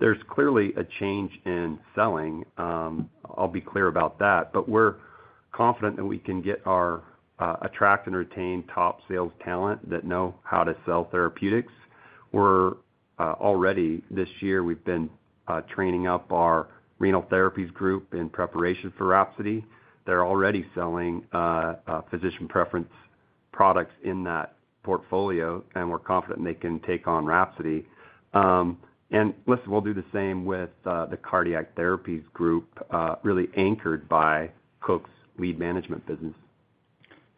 There's clearly a change in selling. I'll be clear about that. But we're confident that we can attract and retain top sales talent that know how to sell therapeutics. We're already this year, we've been training up our renal therapies group in preparation for Wrapsody. They're already selling physician preference products in that portfolio, and we're confident they can take on Wrapsody. And listen, we'll do the same with the cardiac therapies group, really anchored by Cook's lead management business.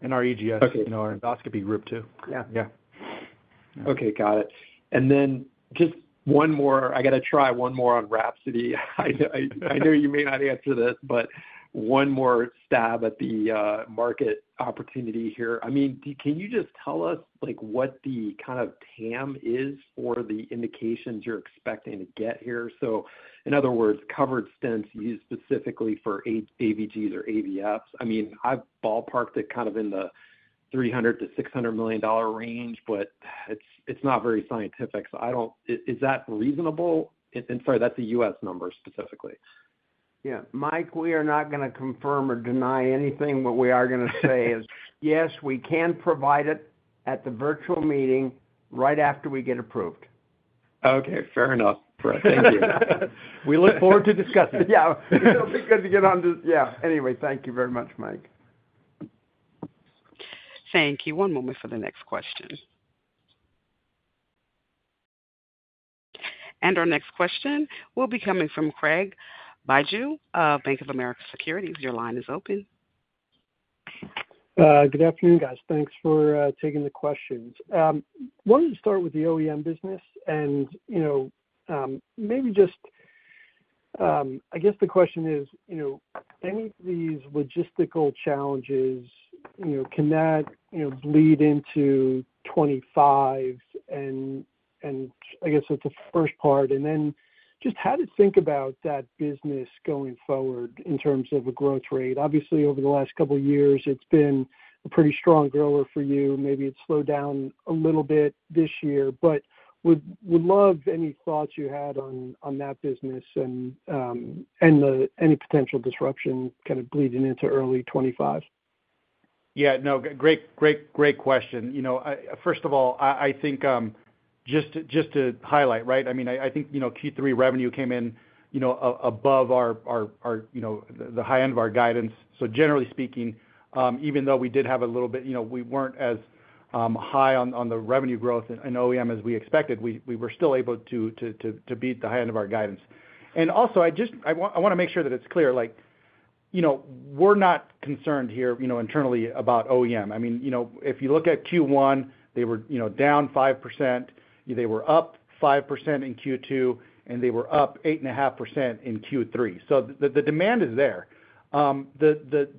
And our EGS, our endoscopy group too. Yeah. Yeah. Okay. Got it. And then just one more. I got to try one more on Wrapsody. I know you may not answer this, but one more stab at the market opportunity here. I mean, can you just tell us what the kind of TAM is for the indications you're expecting to get here? So in other words, covered stents used specifically for AVGs or AVFs. I mean, I've ballparked it kind of in the $300 million to $600 million range, but it's not very scientific. So is that reasonable? And sorry, that's a U.S. number specifically. Yeah. Mike, we are not going to confirm or deny anything. What we are going to say is, yes, we can provide it at the virtual meeting right after we get approved. Okay. Fair enough. Thank you. We look forward to discussing it. Yeah. It'll be good to get on to yeah. Anyway, thank you very much, Mike. Thank you. One moment for the next question. And our next question will be coming from Craig Bijou Bank of America Securities. Your line is open. Good afternoon, guys. Thanks for taking the questions. I wanted to start with the OEM business. And maybe just, I guess the question is, any of these logistical challenges, can that bleed into 2025? And I guess that's the first part. And then just how to think about that business going forward in terms of a growth rate. Obviously, over the last couple of years, it's been a pretty strong grower for you. Maybe it's slowed down a little bit this year, but would love any thoughts you had on that business and any potential disruption kind of bleeding into early 2025? Yeah. No. Great question. First of all, I think just to highlight, right? I mean, I think Q3 revenue came in above the high end of our guidance. So generally speaking, even though we did have a little bit, we weren't as high on the revenue growth in OEM as we expected, we were still able to beat the high end of our guidance. And also, I want to make sure that it's clear. We're not concerned here internally about OEM. I mean, if you look at Q1, they were down 5%. They were up 5% in Q2, and they were up 8.5% in Q3. So the demand is there. The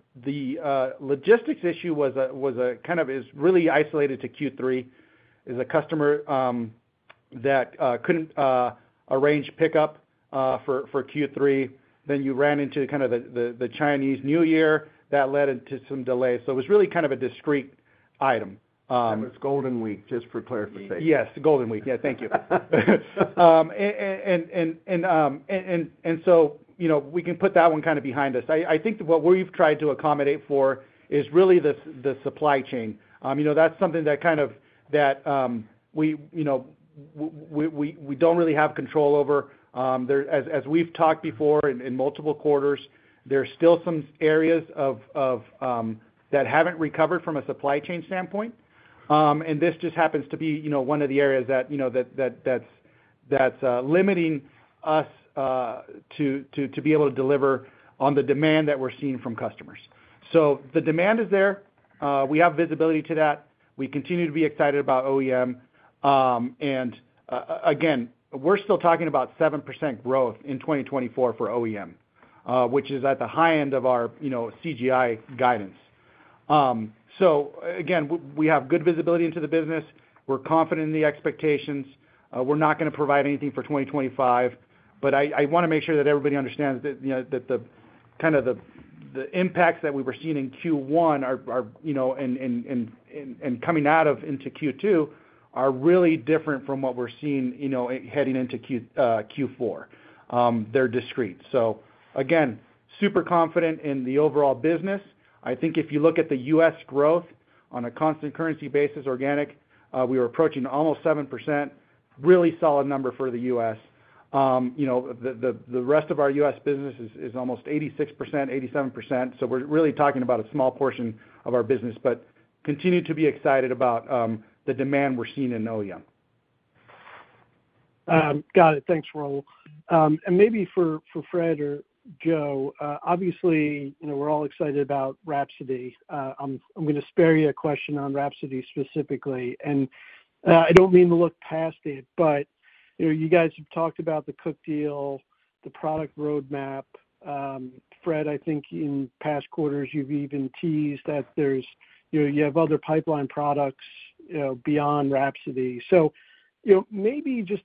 logistics issue was kind of really isolated to Q3. There's a customer that couldn't arrange pickup for Q3. Then you ran into kind of the Chinese New Year. That led into some delays. So it was really kind of a discrete item. It was Golden Week, just for clarification. Yes. Golden Week. Yeah. Thank you. And so we can put that one kind of behind us. I think what we've tried to accommodate for is really the supply chain. That's something that kind of that we don't really have control over. As we've talked before in multiple quarters, there are still some areas that haven't recovered from a supply chain standpoint. And this just happens to be one of the areas that's limiting us to be able to deliver on the demand that we're seeing from customers. So the demand is there. We have visibility to that. We continue to be excited about OEM. And again, we're still talking about 7% growth in 2024 for OEM, which is at the high end of our CGI guidance. So again, we have good visibility into the business. We're confident in the expectations. We're not going to provide anything for 2025. But I want to make sure that everybody understands that kind of the impacts that we were seeing in Q1 and coming out of into Q2 are really different from what we're seeing heading into Q4. They're discrete. So again, super confident in the overall business. I think if you look at the U.S. growth on a constant currency basis, organic, we were approaching almost 7%, really solid number for the U.S. The rest of our U.S. business is almost 86%, 87%. So we're really talking about a small portion of our business, but continue to be excited about the demand we're seeing in OEM. Got it. Thanks, Raul. And maybe for Fred or Joe, obviously, we're all excited about Wrapsody. I'm going to spare you a question on Wrapsody specifically. And I don't mean to look past it, but you guys have talked about the Cook deal, the product roadmap. Fred, I think in past quarters, you've even teased that you have other pipeline products beyond Wrapsody. So maybe just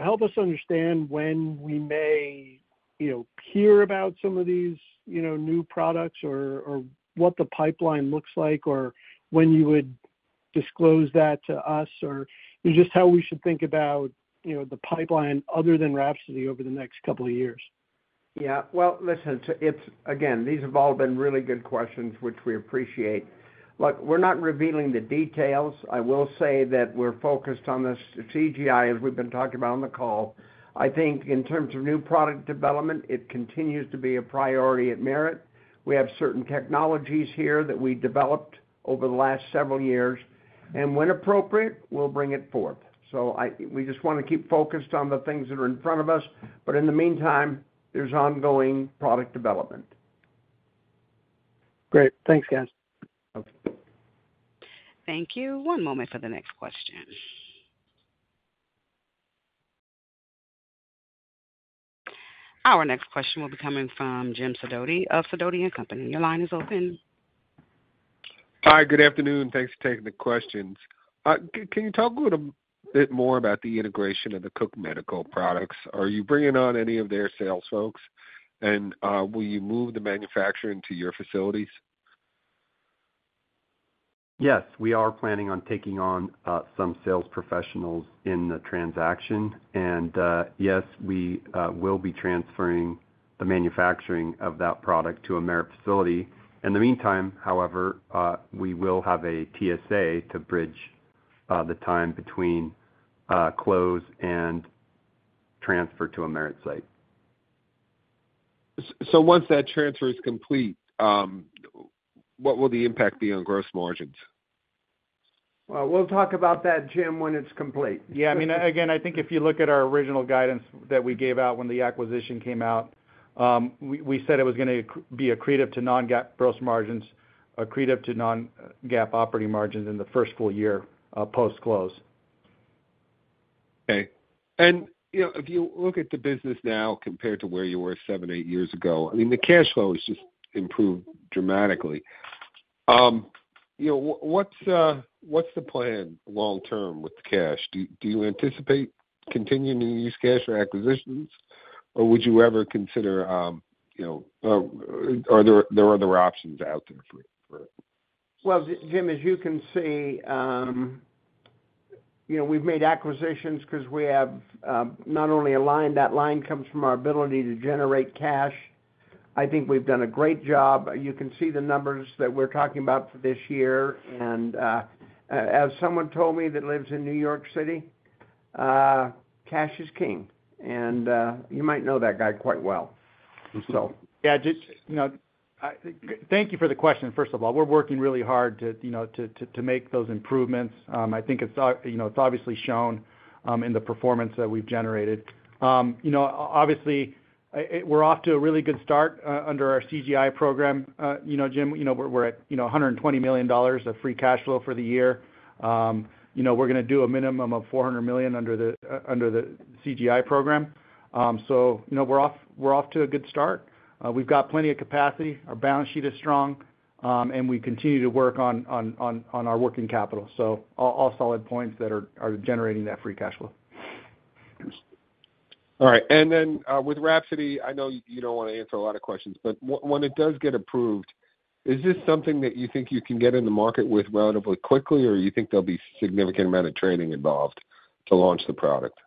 help us understand when we may hear about some of these new products or what the pipeline looks like or when you would disclose that to us or just how we should think about the pipeline other than Wrapsody over the next couple of years. Yeah. Well, listen, again, these have all been really good questions, which we appreciate. Look, we're not revealing the details. I will say that we're focused on the CGI, as we've been talking about on the call. I think in terms of new product development, it continues to be a priority at Merit. We have certain technologies here that we developed over the last several years. And when appropriate, we'll bring it forth. So we just want to keep focused on the things that are in front of us. But in the meantime, there's ongoing product development. Great. Thanks, guys. Thank you. One moment for the next question. Our next question will be coming from Jim Sidoti of Sidoti & Company. Your line is open. Hi. Good afternoon. Thanks for taking the questions. Can you talk a little bit more about the integration of the Cook Medical products? Are you bringing on any of their sales folks? And will you move the manufacturing into your facilities? Yes. We are planning on taking on some sales professionals in the transaction. And yes, we will be transferring the manufacturing of that product to a Merit facility. In the meantime, however, we will have a TSA to bridge the time between close and transfer to a Merit site. So once that transfer is complete, what will the impact be on gross margins? We'll talk about that, Jim, when it's complete. Yeah. I mean, again, I think if you look at our original guidance that we gave out when the acquisition came out, we said it was going to be accretive to non-GAAP gross margins, accretive to non-GAAP operating margins in the first full year post-close. Okay. And if you look at the business now compared to where you were seven, eight years ago, I mean, the cash flow has just improved dramatically. What's the plan long-term with cash? Do you anticipate continuing to use cash for acquisitions, or would you ever consider there are other options out there for it? Well, Jim, as you can see, we've made acquisitions because we have not only a line. That line comes from our ability to generate cash. I think we've done a great job. You can see the numbers that we're talking about for this year. And as someone told me that lives in New York City, cash is king. And you might know that guy quite well, so. Yeah. Thank you for the question, first of all. We're working really hard to make those improvements. I think it's obviously shown in the performance that we've generated. Obviously, we're off to a really good start under our CGI program, Jim. We're at $120 million of free cash flow for the year. We're going to do a minimum of $400 million under the CGI program. So we're off to a good start. We've got plenty of capacity. Our balance sheet is strong, and we continue to work on our working capital. So all solid points that are generating that free cash flow. All right. And then with Wrapsody, I know you don't want to answer a lot of questions, but when it does get approved, is this something that you think you can get in the market with relatively quickly, or do you think there'll be a significant amount of training involved to launch the product?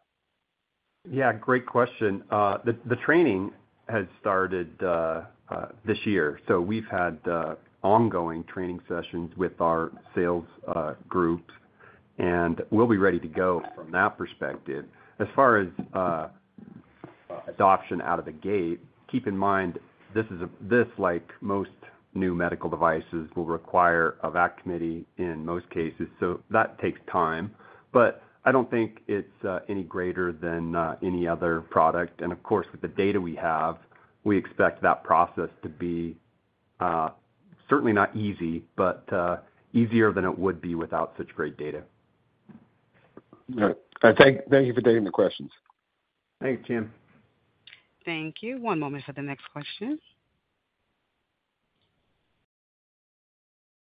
Yeah. Great question. The training has started this year. So we've had ongoing training sessions with our sales groups, and we'll be ready to go from that perspective. As far as adoption out of the gate, keep in mind this is like most new medical devices will require a VAC committee in most cases. So that takes time. But I don't think it's any greater than any other product. And of course, with the data we have, we expect that process to be certainly not easy, but easier than it would be without such great data. All right. Thank you for taking the questions. Thanks, Jim. Thank you. One moment for the next question.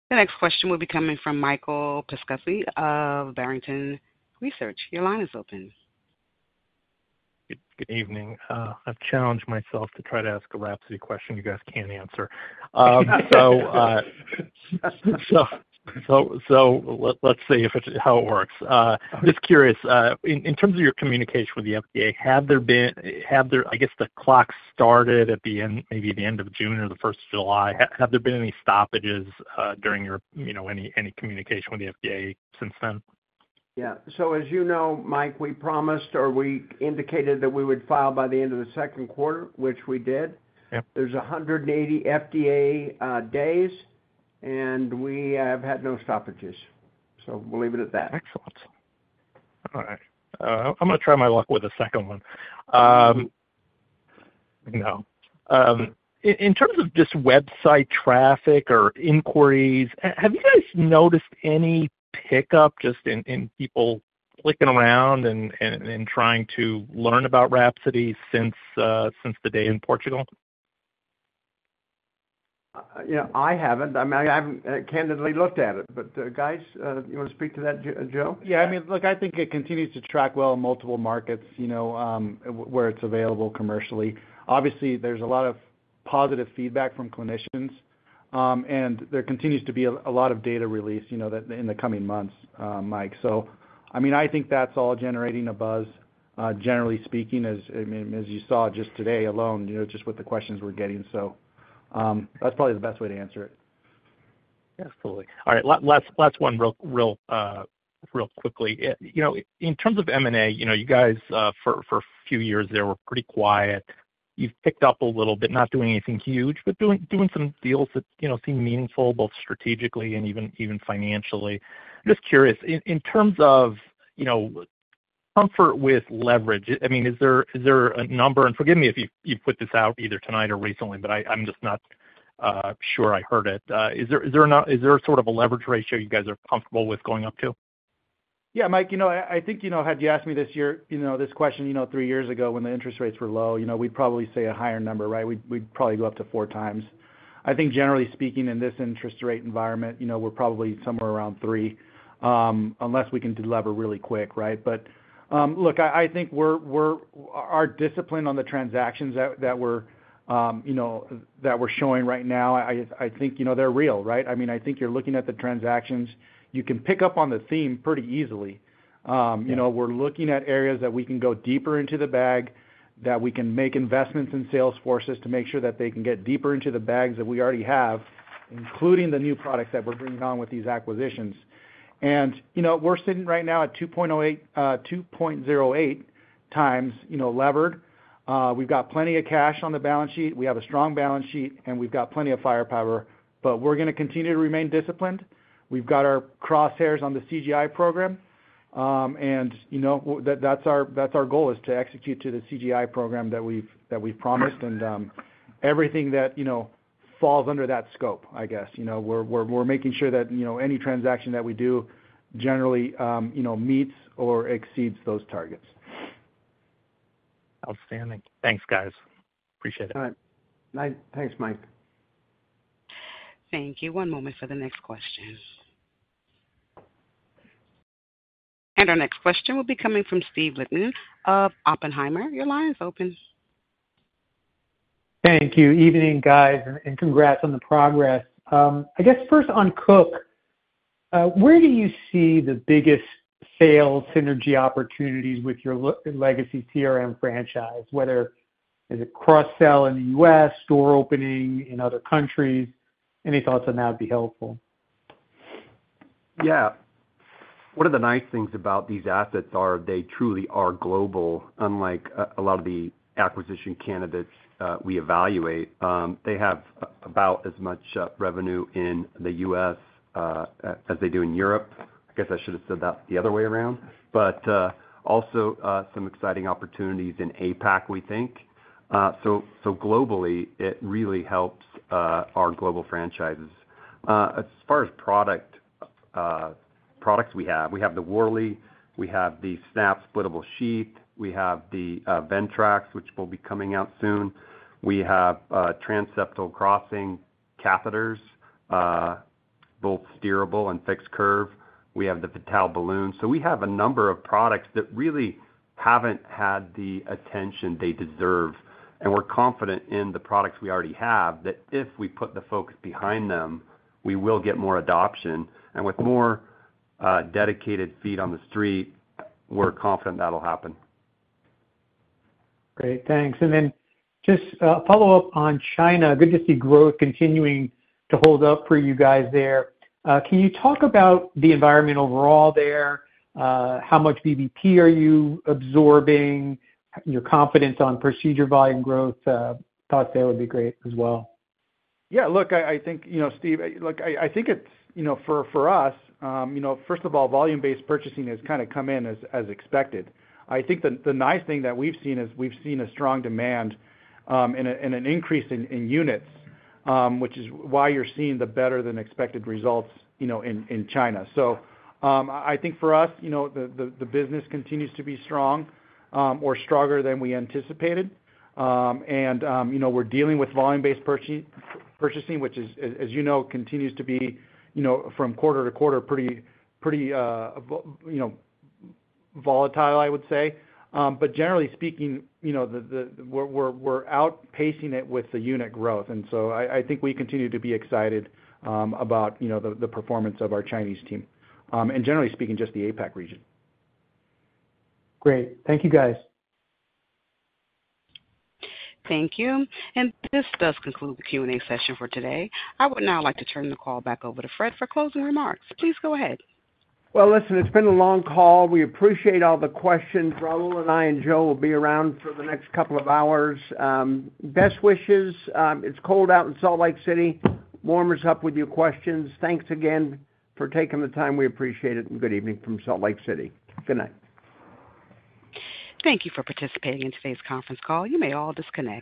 The next question will be coming from Michael Petusky of Barrington Research. Your line is open. Good evening. I've challenged myself to try to ask a Wrapsody question you guys can't answer. So let's see how it works. I'm just curious. In terms of your communication with the FDA, have there been, I guess, the clock started at maybe the end of June or the 1st of July? Have there been any stoppages during any communication with the FDA since then? Yeah. So as you know, Mike, we promised or we indicated that we would file by the end of the second quarter, which we did. There's 180 FDA days, and we have had no stoppages. So we'll leave it at that. Excellent. All right. I'm going to try my luck with the second one. No. In terms of just website traffic or inquiries, have you guys noticed any pickup just in people clicking around and trying to learn about Wrapsody since the day in Portugal? I haven't. I mean, I haven't candidly looked at it. But guys, you want to speak to that, Joe? Yeah. I mean, look, I think it continues to track well in multiple markets where it's available commercially. Obviously, there's a lot of positive feedback from clinicians, and there continues to be a lot of data released in the coming months, Mike. So I mean, I think that's all generating a buzz, generally speaking, as you saw just today alone, just with the questions we're getting. So that's probably the best way to a nswer it. Absolutely. All right. Last one real quickly. In terms of M&A, you guys, for a few years there, were pretty quiet. You've picked up a little bit, not doing anything huge, but doing some deals that seem meaningful, both strategically and even financially. I'm just curious. In terms of comfort with leverage, I mean, is there a number? And forgive me if you put this out either tonight or recently, but I'm just not sure I heard it. Is there sort of a leverage ratio you guys are comfortable with going up to? Yeah, Mike. I think had you asked me this question three years ago when the interest rates were low, we'd probably say a higher number, right? We'd probably go up to four times. I think, generally speaking, in this interest rate environment, we're probably somewhere around three unless we can deliver really quick, right? But look, I think our discipline on the transactions that we're showing right now, I think they're real, right? I mean, I think you're looking at the transactions. You can pick up on the theme pretty easily. We're looking at areas that we can go deeper into the bag, that we can make investments in sales forces to make sure that they can get deeper into the bags that we already have, including the new products that we're bringing on with these acquisitions, and we're sitting right now at 2.08 times levered. We've got plenty of cash on the balance sheet. We have a strong balance sheet, and we've got plenty of firepower. But we're going to continue to remain disciplined. We've got our crosshairs on the CGI program. And that's our goal, is to execute to the CGI program that we've promised and everything that falls under that scope, I guess. We're making sure that any transaction that we do generally meets or exceeds those targets. Outstanding. Thanks, guys. Appreciate it. All right. Thanks, Mike. Thank you. One moment for the next question. And our next question will be coming from Steve Lichtman of Oppenheimer. Your line is open. Thank you. Evening, guys. And congrats on the progress. I guess first on Cook, where do you see the biggest sales synergy opportunities with your legacy CRM franchise? Whether is it cross-sell in the U.S., store opening in other countries? Any thoughts on that would be helpful? Yeah. One of the nice things about these assets is they truly are global, unlike a lot of the acquisition candidates we evaluate. They have about as much revenue in the U.S. as they do in Europe. I guess I should have said that the other way around. But also some exciting opportunities in APAC, we think. So globally, it really helps our global franchises. As far as products we have, we have the Worley, we have the Snap Splittable Sheath, we have the Ventrax, which will be coming out soon. We have transseptal crossing catheters, both steerable and fixed curve. We have the Vitale Balloon. So we have a number of products that really haven't had the attention they deserve. And we're confident in the products we already have that if we put the focus behind them, we will get more adoption. And with more dedicated feet on the street, we're confident that'll happen. Great. Thanks. And then just a follow-up on China. Good to see growth continuing to hold up for you guys there. Can you talk about the environment overall there? How much VBP are you absorbing? Your confidence on procedure volume growth? Thought there would be great as well. Yeah. Look, I think, Steve, look, I think for us, first of all, volume-based purchasing has kind of come in as expected. I think the nice thing that we've seen is we've seen a strong demand and an increase in units, which is why you're seeing the better-than-expected results in China. So I think for us, the business continues to be strong or stronger than we anticipated. And we're dealing with volume-based purchasing, which, as you know, continues to be from quarter to quarter pretty volatile, I would say. But generally speaking, we're outpacing it with the unit growth. And so I think we continue to be excited about the performance of our Chinese team. And generally speaking, just the APAC region. Great. Thank you, guys. Thank you. And this does conclude the Q&A session for today. I would now like to turn the call back over to Fred for closing remarks. Please go ahead. Well, listen, it's been a long call. We appreciate all the questions. Raul and I and Joe will be around for the next couple of hours. Best wishes. It's cold out in Salt Lake City. Warm us up with your questions. Thanks again for taking the time. We appreciate it. And good evening from Salt Lake City. Good night. Thank you for participating in today's conference call. You may all disconnect.